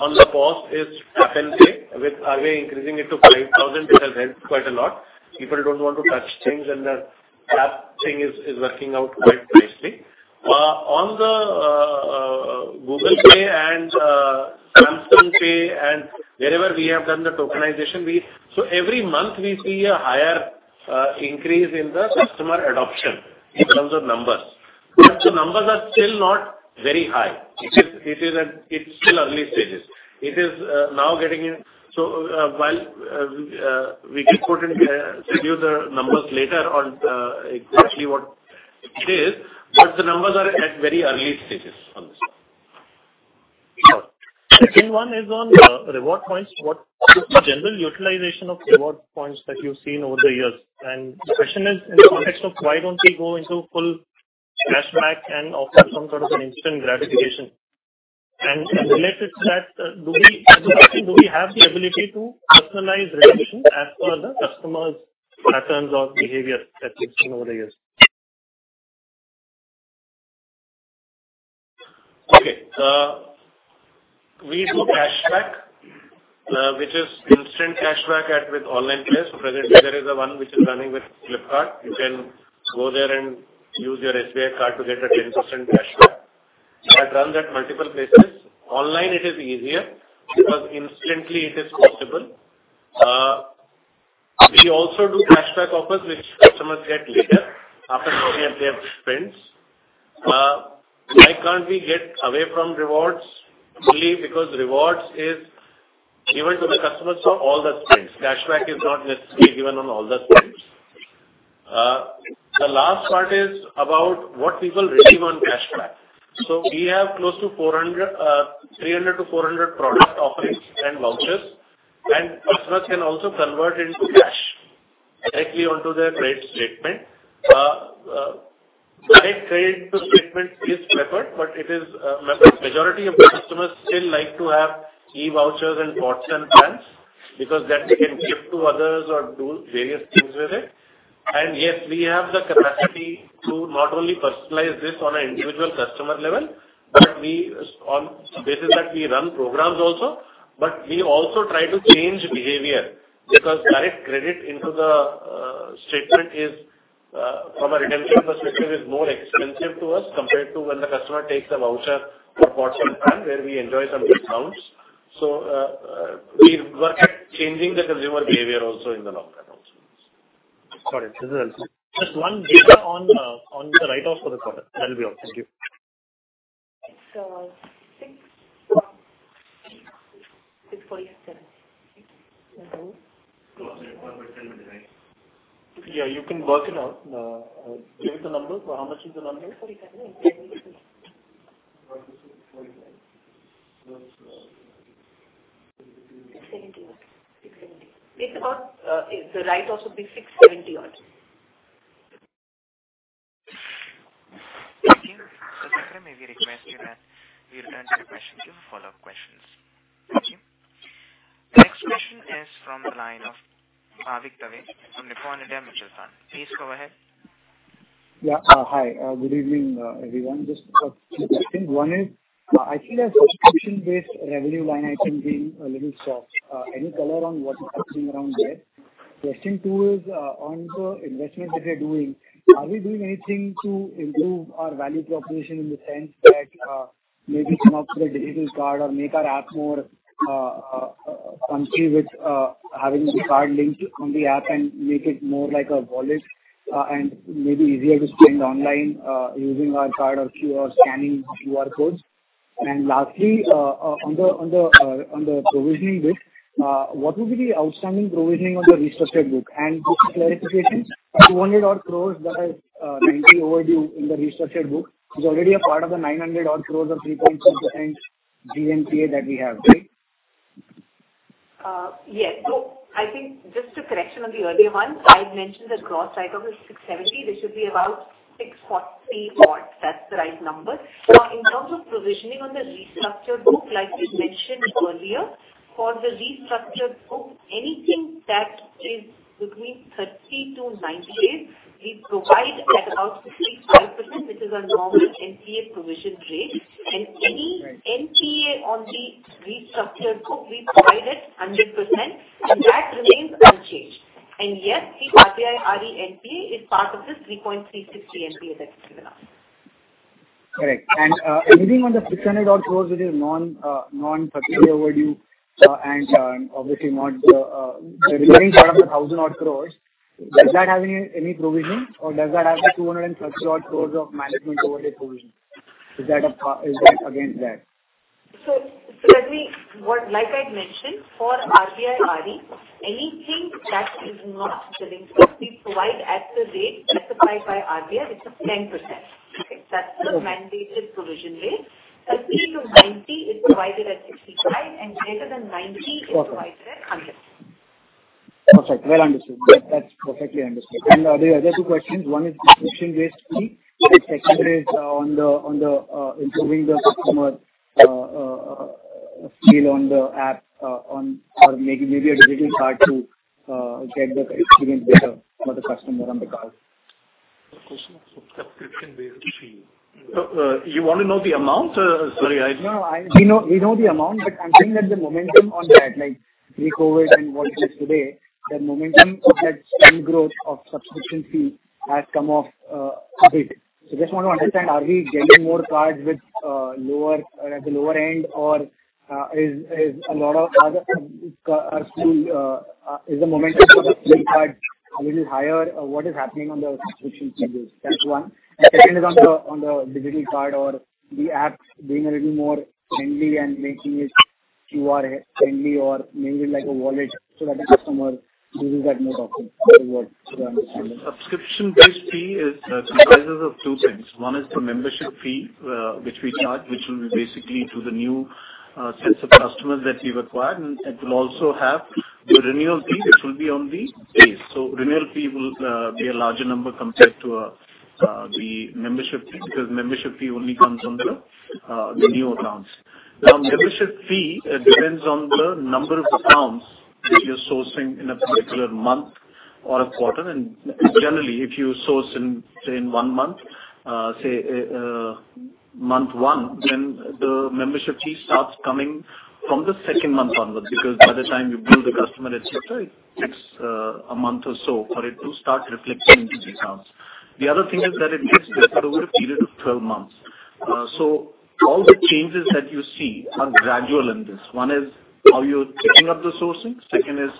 on the POS is tap and pay with RBI increasing it to 5,000 because it helps quite a lot. People don't want to touch things, and the tap thing is working out quite nicely. On the Google Pay and Samsung Pay and wherever we have done the tokenization, every month we see a higher increase in the customer adoption in terms of numbers. The numbers are still not very high. It's still early stages. It is now getting in. We can send you the numbers later on, exactly what it is, but the numbers are at very early stages on this one. Second one is on reward points. What is the general utilization of reward points that you've seen over the years? The question is in the context of why don't we go into full cashback and offer some sort of an instant gratification? Related to that, do we, as a bank, have the ability to personalize redemption as per the customer's patterns of behavior that we've seen over the years? Okay. We do cashback, which is instant cashback at, with online place. Presently, there is a one which is running with Flipkart. You can go there and use your SBI Card to get a 10% cashback. I've done that multiple places. Online it is easier because instantly it is possible. We also do cashback offers which customers get later after looking at their spends. Why can't we get away from rewards? Only because rewards is given to the customers for all the spends. Cashback is not necessarily given on all the spends. The last part is about what people redeem on cashback. We have close to 400, 300-400 product offerings and vouchers, and customers can also convert into cash directly onto their credit statement. Direct credit to statement is preferred, but it is majority of the customers still like to have e-vouchers and points and plans because that they can give to others or do various things with it. Yes, we have the capacity to not only personalize this on an individual customer level, but on basis that we run programs also. We also try to change behavior because direct credit into the statement is from a redemption perspective more expensive to us compared to when the customer takes a voucher or points and plan where we enjoy some discounts. We work at changing the consumer behavior also in the long term also. Got it. This is helpful. Just one question on the write-off for the quarter. That will be all. Thank you. So six point six forty-seven. Yeah, you can work it out. Give the number. How much is the number? INR 647. It's about the write-off should be 670 odd. Thank you. Mr. Management, may we request that you return to the question queue for follow-up questions. Thank you. The next question is from the line of Bhavik Dave from Nippon India Mutual Fund. Please go ahead. Yeah. Hi. Good evening, everyone. Just two questions. One is, I see the subscription-based revenue line item being a little soft. Any color on what is happening around there? Question two is, on the investment that we're doing. Are we doing anything to improve our value proposition in the sense that, maybe come up with a digital card or make our app more funky with having the card linked on the app and make it more like a wallet, and maybe easier to spend online, using our card or QR, scanning QR codes? Lastly, on the provisioning bit, what would be the outstanding provisioning on the restructured book? Just a clarification, 200 odd crores, that is, 90 overdue in the restructured book is already a part of the 900 odd crores or 3.6% GNPA that we have, right? Yes. I think just a correction on the earlier one. I'd mentioned the gross item is 670. This should be about 6.3 odd. That's the right number. Now, in terms of provisioning on the restructured book, like we mentioned earlier, for the restructured book, anything that is between 30-90 days, we provide at about 65%, which is our normal NPA provision rate. Any NPA on the restructured book, we provide it 100%, and that remains unchanged. Yes, the RBI RE NPA is part of this 3.36 NPA that's given above. Correct. Anything on the 600-odd crore which is non-material overdue, and obviously not the remaining part of the 1,000-odd crore, does that have any provision or does that have the 230-odd crore of management overdue provision? Is that against that? Like I'd mentioned, for RBI RE, anything that is not the loan, we provide at the rate specified by RBI, which is 10%. Okay. That's the mandated provision rate. 30 to 90 is provided at 65%, and greater than 90 is- Got it. provided at 100. Perfect. Well understood. That's perfectly understood. Are there other two questions? One is the subscription-based fee, and the second is on the improving the customer feel on the app or maybe a digital card to get the experience better for the customer on the card. The question of subscription-based fee. You want to know the amount? Sorry, I No, we know the amount, but I'm thinking that the momentum on that, like pre-COVID and what it is today, the momentum of that same growth of subscription fee has come off a bit. I just want to understand, are we getting more cards with lower, at the lower end or is a lot of other still is the momentum for the free card a little higher? What is happening on the subscription fees? That's one. The second is on the digital card or the apps being a little more friendly and making it QR friendly or maybe like a wallet so that the customer uses that more often. That is what we understand. Subscription-based fee is comprises of two things. One is the membership fee, which we charge, which will be basically to the new sets of customers that we've acquired, and it will also have the renewal fee, which will be on the base. Renewal fee will be a larger number compared to the membership fee because membership fee only comes on the new accounts. The membership fee, it depends on the number of accounts that you're sourcing in a particular month or a quarter. Generally, if you source in, say, in one month one, then the membership fee starts coming from the second month onwards, because by the time you bill the customer, et cetera, it takes a month or so for it to start reflecting into these accounts. The other thing is that it gets deferred over a period of 12 months. All the changes that you see are gradual in this. One is how you're picking up the sourcing. Second is,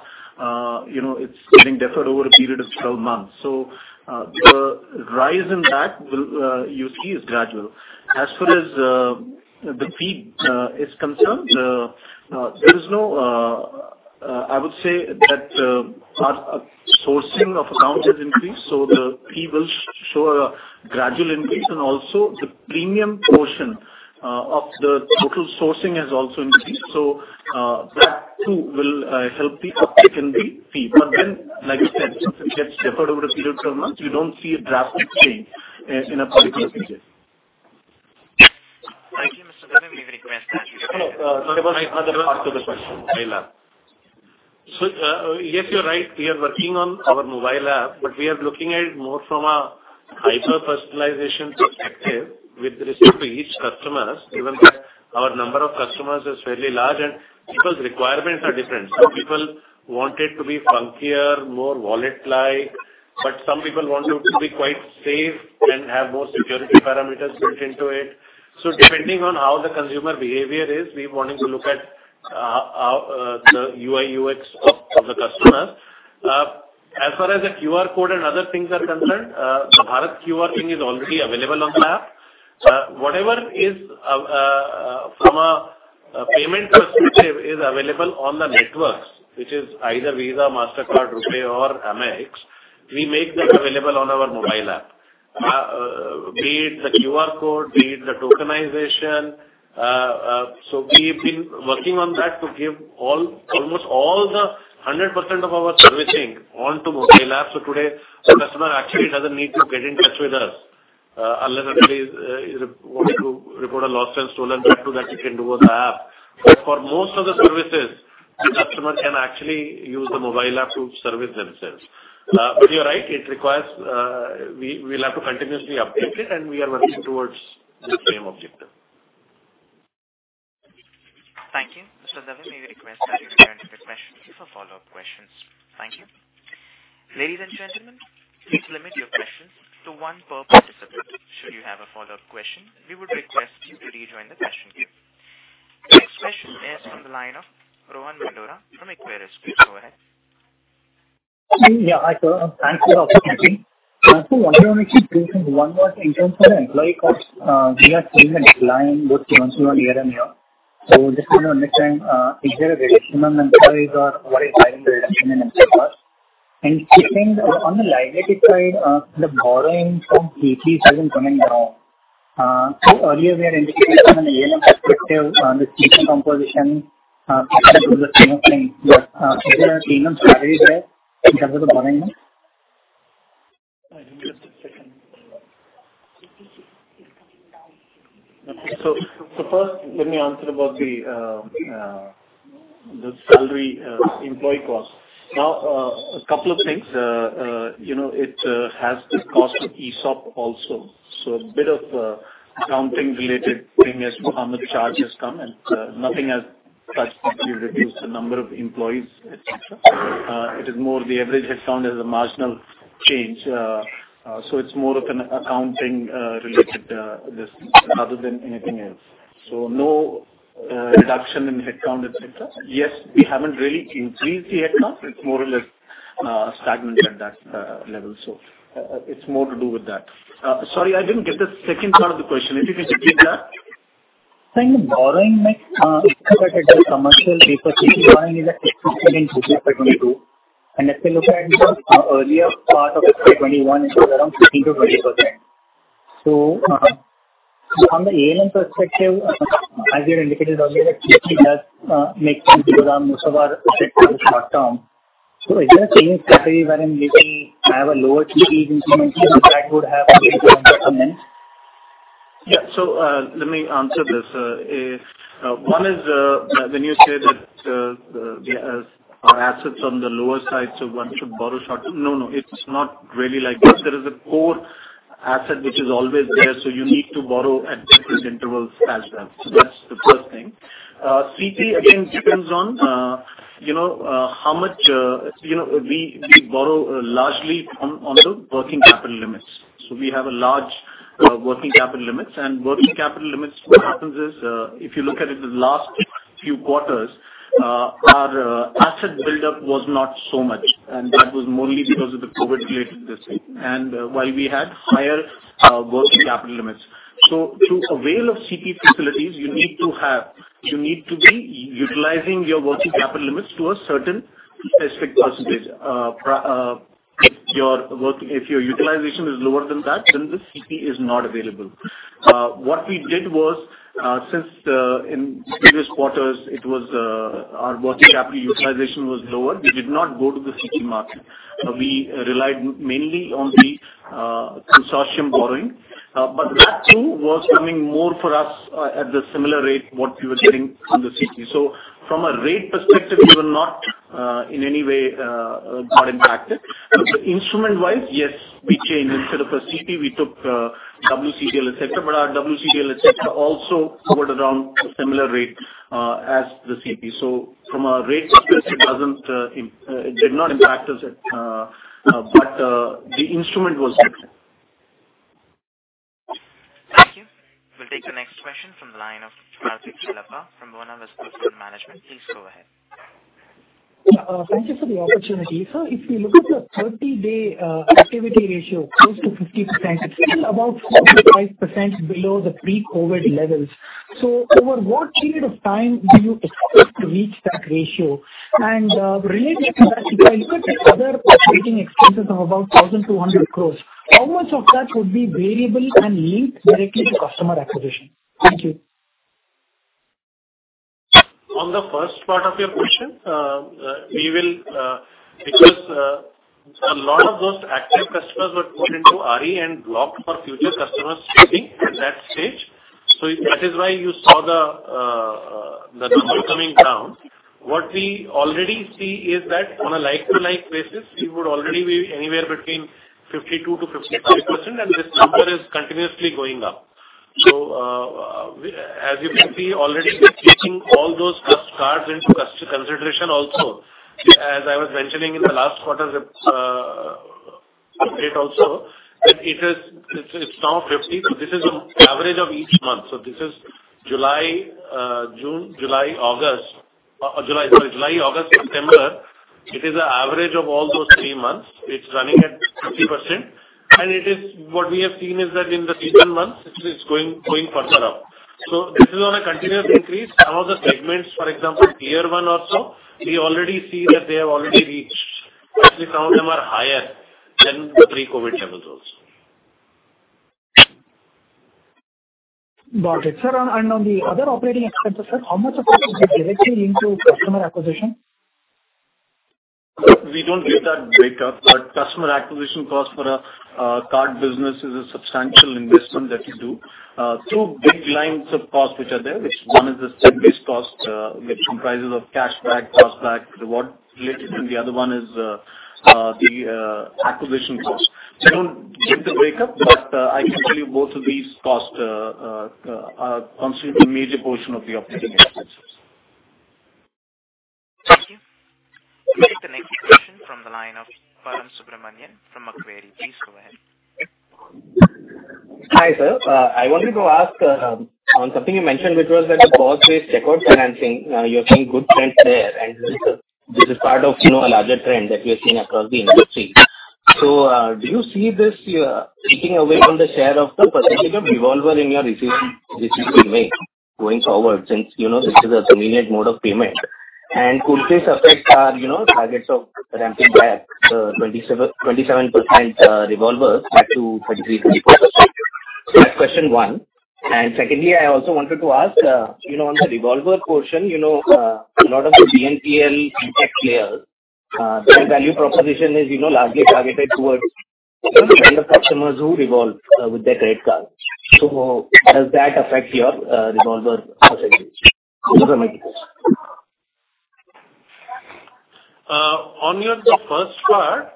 you know, it's getting deferred over a period of 12 months. The rise in that will, you see, is gradual. As far as the fee is concerned, I would say that our sourcing of accounts has increased, so the fee will show a gradual increase. The premium portion of the total sourcing has also increased. That too will help the uptick in the fee. Like I said, since it gets deferred over a period of 12 months, you don't see a drastic change in a particular period. Thank you, Mr. Dave. May we request the next question? Hello. Sorry, the moderator asked the question. Mobile app. Yes, you're right. We are working on our mobile app, but we are looking at it more from a hyper-personalization perspective with respect to each customers, given that our number of customers is fairly large and people's requirements are different. Some people want it to be funkier, more wallet-like, but some people want it to be quite safe and have more security parameters built into it. Depending on how the consumer behavior is, we're wanting to look at our the UI, UX of the customer. As far as the QR code and other things are concerned, the Bharat QR thing is already available on the app. Whatever is from a payment perspective is available on the networks, which is either Visa, Mastercard, RuPay or Amex. We make that available on our mobile app. Be it the QR code, be it the tokenization. We've been working on that to give all, almost all the 100% of our servicing onto mobile apps. Today, the customer actually doesn't need to get in touch with us, unless anybody is wanting to report a lost and stolen, that too that you can do on the app. For most of the services, the customer can actually use the mobile app to service themselves. You're right, it requires, we'll have to continuously update it, and we are working towards the same objective. Thank you. Mr. Dave, may I request that you kindly wait for follow-up questions? Thank you. Ladies and gentlemen, please limit your questions to one per participant. Should you have a follow-up question, we would request you to rejoin the question queue. Next question is from the line of Rohan Mandora from Equirus Securities. Go ahead. Yeah. Hi, sir. Thanks for the opportunity. Actually two things. One was in terms of the employee costs, we are seeing a decline both quarter-on-quarter and year-on-year. Just want to understand, is there a reduction in employees or what is happening? Second, on the liability side, the borrowings from CTs have been coming down. Earlier we had indicated from an ALM perspective on the composition, in terms of the borrowings. Just a second. Okay. First let me answer about the salary employee cost. Now, a couple of things. You know, it has the cost of ESOP also. A bit of accounting related thing as to how much charge has come and nothing has substantially reduced the number of employees, etc. It is more the average headcount is a marginal change. It's more of an accounting related this rather than anything else. No reduction in headcount, etc. Yes, we haven't really increased the headcount. It's more or less stagnant at that level. It's more to do with that. Sorry, I didn't get the second part of the question. If you could repeat that. Sir, in the borrowing mix, if you look at it the commercial paper CP borrowing is at 60% in FY 2022. If you look at it, earlier part of FY 2021, it was around 15% to 20%. On the ALM perspective, as you had indicated earlier, CP does make sense because most of our assets are short term. Is there a change in strategy wherein we will have a lower CP increment and that would have on the comment? Yeah. Let me answer this. One is, when you say that our assets on the lower side, so one should borrow short term. No, it's not really like that. There is a core asset which is always there, so you need to borrow at different intervals as well. That's the first thing. CP again depends on, you know, how much, you know, we borrow largely on the working capital limits. We have a large working capital limits. Working capital limits, what happens is, if you look at it the last few quarters, our asset buildup was not so much, and that was mainly because of the COVID-related risk, while we had higher working capital limits. To avail of CP facilities you need to be utilizing your working capital limits to a certain specific percentage. If your utilization is lower than that, then the CP is not available. What we did was, since in previous quarters it was our working capital utilization was lower, we did not go to the CP market. We relied mainly on the consortium borrowing. That too was coming more for us at the similar rate what we were getting from the CP. From a rate perspective, we were not in any way got impacted. Instrument wise, yes, we changed. Instead of a CP, we took WCDL etc. Our WCDL etc. also hovered around a similar rate as the CP. From a rate perspective, it did not impact us. The instrument was different. Thank you. We'll take the next question from the line of Karthik Chellappa from Buena Vista Fund Management. Please go ahead. Yeah. Thank you for the opportunity. Sir, if we look at your 30-day activity ratio close to 50%, it's still about 45% below the pre-COVID levels. Over what period of time do you expect to reach that ratio? Related to that, if I look at your other operating expenses of about INR 1,200 crores, how much of that would be variable and linked directly to customer acquisition? Thank you. On the first part of your question, because a lot of those active customers were put into RE and blocked for future customer spending at that stage. That is why you saw the number coming down. What we already see is that on a like-for-like basis, we would already be anywhere between 52% to 55%, and this number is continuously going up. As you can see already, we're taking all those customers into consideration also. As I was mentioning in the last quarter's update also, that it is now 50. This is average of each month. This is July, August, September. It is an average of all those three months. It's running at 50%. It is What we have seen is that in the recent months it is going further up. This is on a continuous increase. Some of the segments, for example, Tier 1 also, we already see that they have already reached. Actually, some of them are higher than the pre-COVID levels also. Got it. Sir, on the other operating expenses, how much of this is directly linked to customer acquisition? We don't give that breakup, but customer acquisition cost for a card business is a substantial investment that we do. Two big lines of cost which are there. Which one is the stimulus cost, which comprises of cashback, reward related, and the other one is the acquisition cost. I don't give the breakup, but I can tell you both of these costs are considered a major portion of the operating expenses. Thank you. We'll take the next question from the line of Param Subramanian from Macquarie. Please go ahead. Hi, sir. I wanted to ask on something you mentioned, which was that the cost-based checkout financing, you're seeing good trends there. This is part of, you know, a larger trend that we are seeing across the industry. Do you see this taking away from the share of the percentage of revolver in your revolving receivables going forward since, you know, since it's a convenient mode of payment? Could this affect our targets of ramping back 27% revolvers back to 33% to 34%? That's question one. Secondly, I also wanted to ask, you know, on the revolver portion, you know, a lot of the BNPL tech players, their value proposition is, you know, largely targeted towards certain kind of customers who revolve with their credit card. How does that affect your revolver percentages? Those are my two questions. On your first part,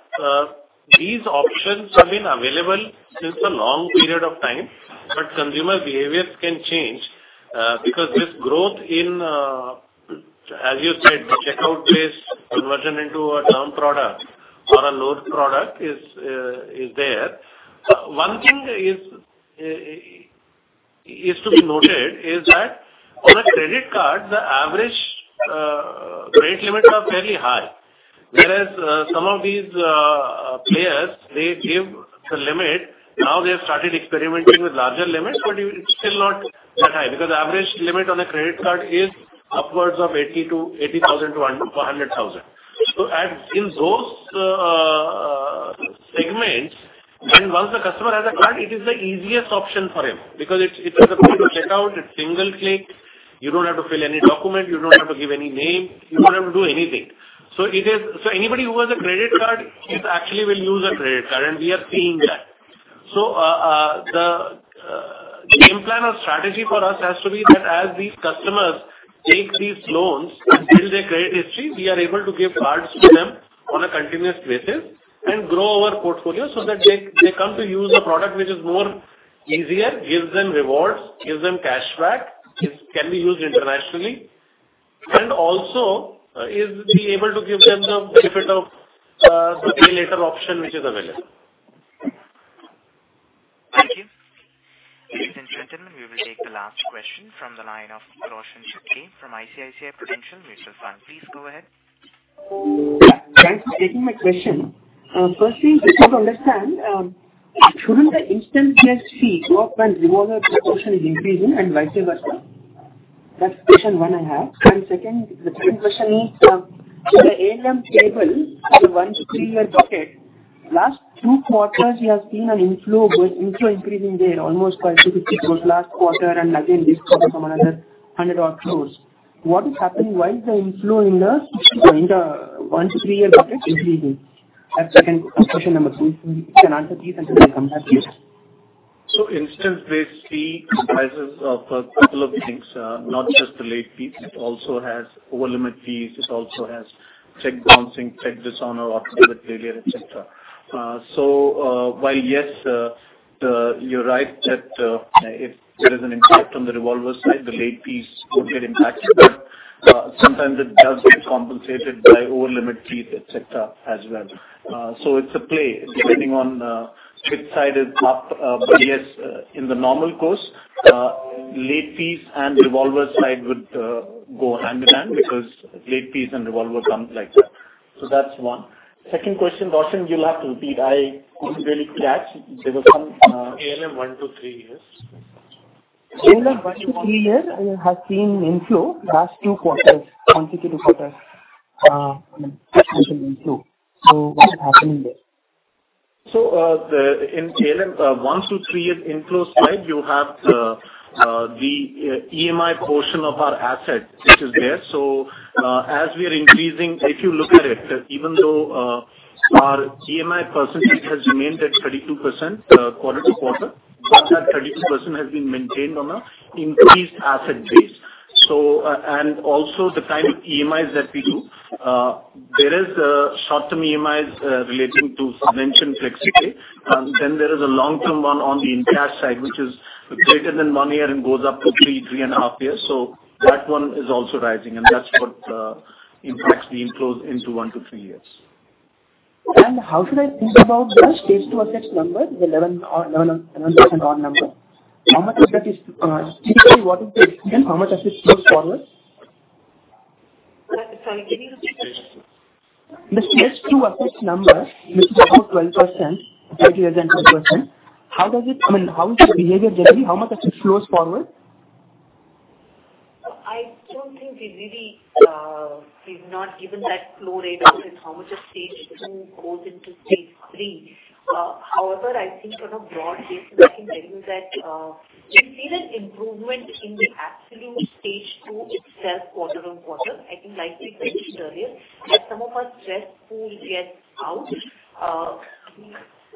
these options have been available since a long period of time, but consumer behaviors can change, because this growth in, as you said, the checkout-based conversion into a term product or a loan product is there. One thing to be noted is that on a credit card, the average credit limits are fairly high, whereas some of these players, they give the limit. Now they have started experimenting with larger limits, but it's still not that high because the average limit on a credit card is upwards of 80,000-100,000. As in those segments, I mean, once the customer has a card, it is the easiest option for him because it's at the point of checkout. It's single click. You don't have to fill any document. You don't have to give any name. You don't have to do anything. Anybody who has a credit card is actually will use a credit card, and we are seeing that. The game plan or strategy for us has to be that as these customers take these loans and build their credit history, we are able to give cards to them on a continuous basis and grow our portfolio so that they come to use a product which is more easier, gives them rewards, gives them cashback, can be used internationally, and also able to give them the benefit of the pre-closure option which is available. Thank you. Ladies and gentlemen, we will take the last question from the line of Roshan Chutkey from ICICI Prudential. Mr. Chutkey, please go ahead. Thanks for taking my question. Firstly, I just want to understand, shouldn't the instant fee drop when revolver proportion is increasing and vice versa? That's question one I have. Second, the second question is, in the ALM table, the one-to-three-year bucket, last two quarters, we have seen an inflow increasing there, almost consecutive growth last quarter and again this quarter from another 100-odd crores. What is happening? Why is the inflow in the one-to-three-year bucket increasing? That's second, question number two. If you can answer these and then I'll come back to you. Instant-based fee comprises of a couple of things. Not just the late fees. It also has over-limit fees. It also has check bouncing, check dishonor et cetera. While, yes, you're right that if there is an impact on the revolver side, the late fees would get impacted, sometimes it does get compensated by over-limit fees, et cetera, as well. It's a play depending on which side is up. Yes, in the normal course, late fees and revolver side would go hand in hand because late fees and revolver comes like that. That's one. Second question, Roshan, you'll have to repeat. I couldn't really catch. There was some, ALM one to three years. ALM one to three years has seen inflow last flow quarters, consecutive quarters, I mean, special inflow. What is happening there? In the ALM one to three year inflow slide, you have the EMI portion of our asset which is there. As we are increasing, if you look at it, even though our EMI percentage has remained at 32%, quarter-over-quarter, but that 32% has been maintained on a increased asset base. Also the kind of EMIs that we do, there is short-term EMIs relating to subvention Flexipay. Then there is a long-term one on the non-cash side, which is greater than one year and goes up to three and a half years. That one is also rising, and that's what impacts the inflows into 1-3 years. How should I think about the stage two assets number, the 11% odd number? How much of that is typically what is the extent, how much of it flows forward? Roshan Chutkey, can you repeat the question? The stage two assets number, which is about 12% to 13%, how does it, I mean, how is the behavior generally? How much of it flows forward? I don't think we really, we've not given that flow rate of it, how much of stage two goes into stage three. However, I think on a broad basis, I can tell you that, we've seen an improvement in the absolute stage two itself quarter-over-quarter. I think like we mentioned earlier, as some of our stress pool gets out,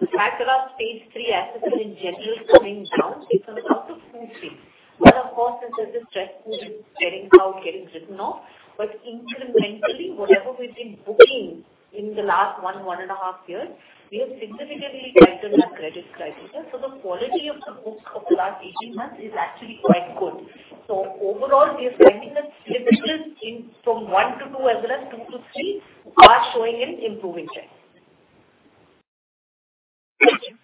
the fact that our stage three assets are in general coming down is because of two things. One, of course, is that the stress pool is getting out, getting written off, but incrementally, whatever we've been booking in the last 1.5 years, we have significantly tightened our credit criteria. The quality of the books of the last 18 months is actually quite good. Overall, we are finding that spillages in from one to two as well as two to three are showing an improving trend. Thank you.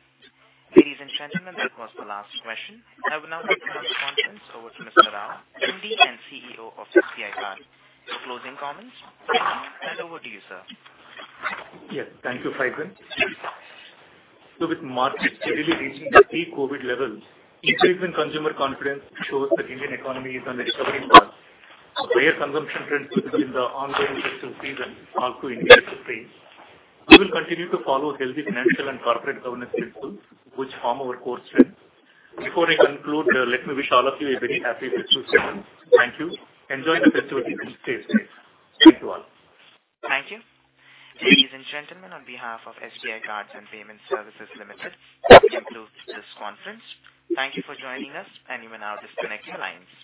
Ladies and gentlemen, that was the last question. I will now hand the conference over to Mr. Rao, MD and CEO of SBI Card for closing comments. Over to you, sir. Yes. Thank you, [Paivan]. With markets steadily reaching their pre-COVID levels, improvement in consumer confidence shows that Indian economy is on the recovery path, where consumption trends will be in the ongoing festival season are to increase. We will continue to follow healthy financial and corporate governance principles which form our core strength. Before I conclude, let me wish all of you a very happy festival. Thank you. Enjoy the festivities and stay safe. Thank you all. Thank you. Ladies and gentlemen, on behalf of SBI Cards and Payment Services Limited, we conclude this conference. Thank you for joining us, and you may now disconnect your lines.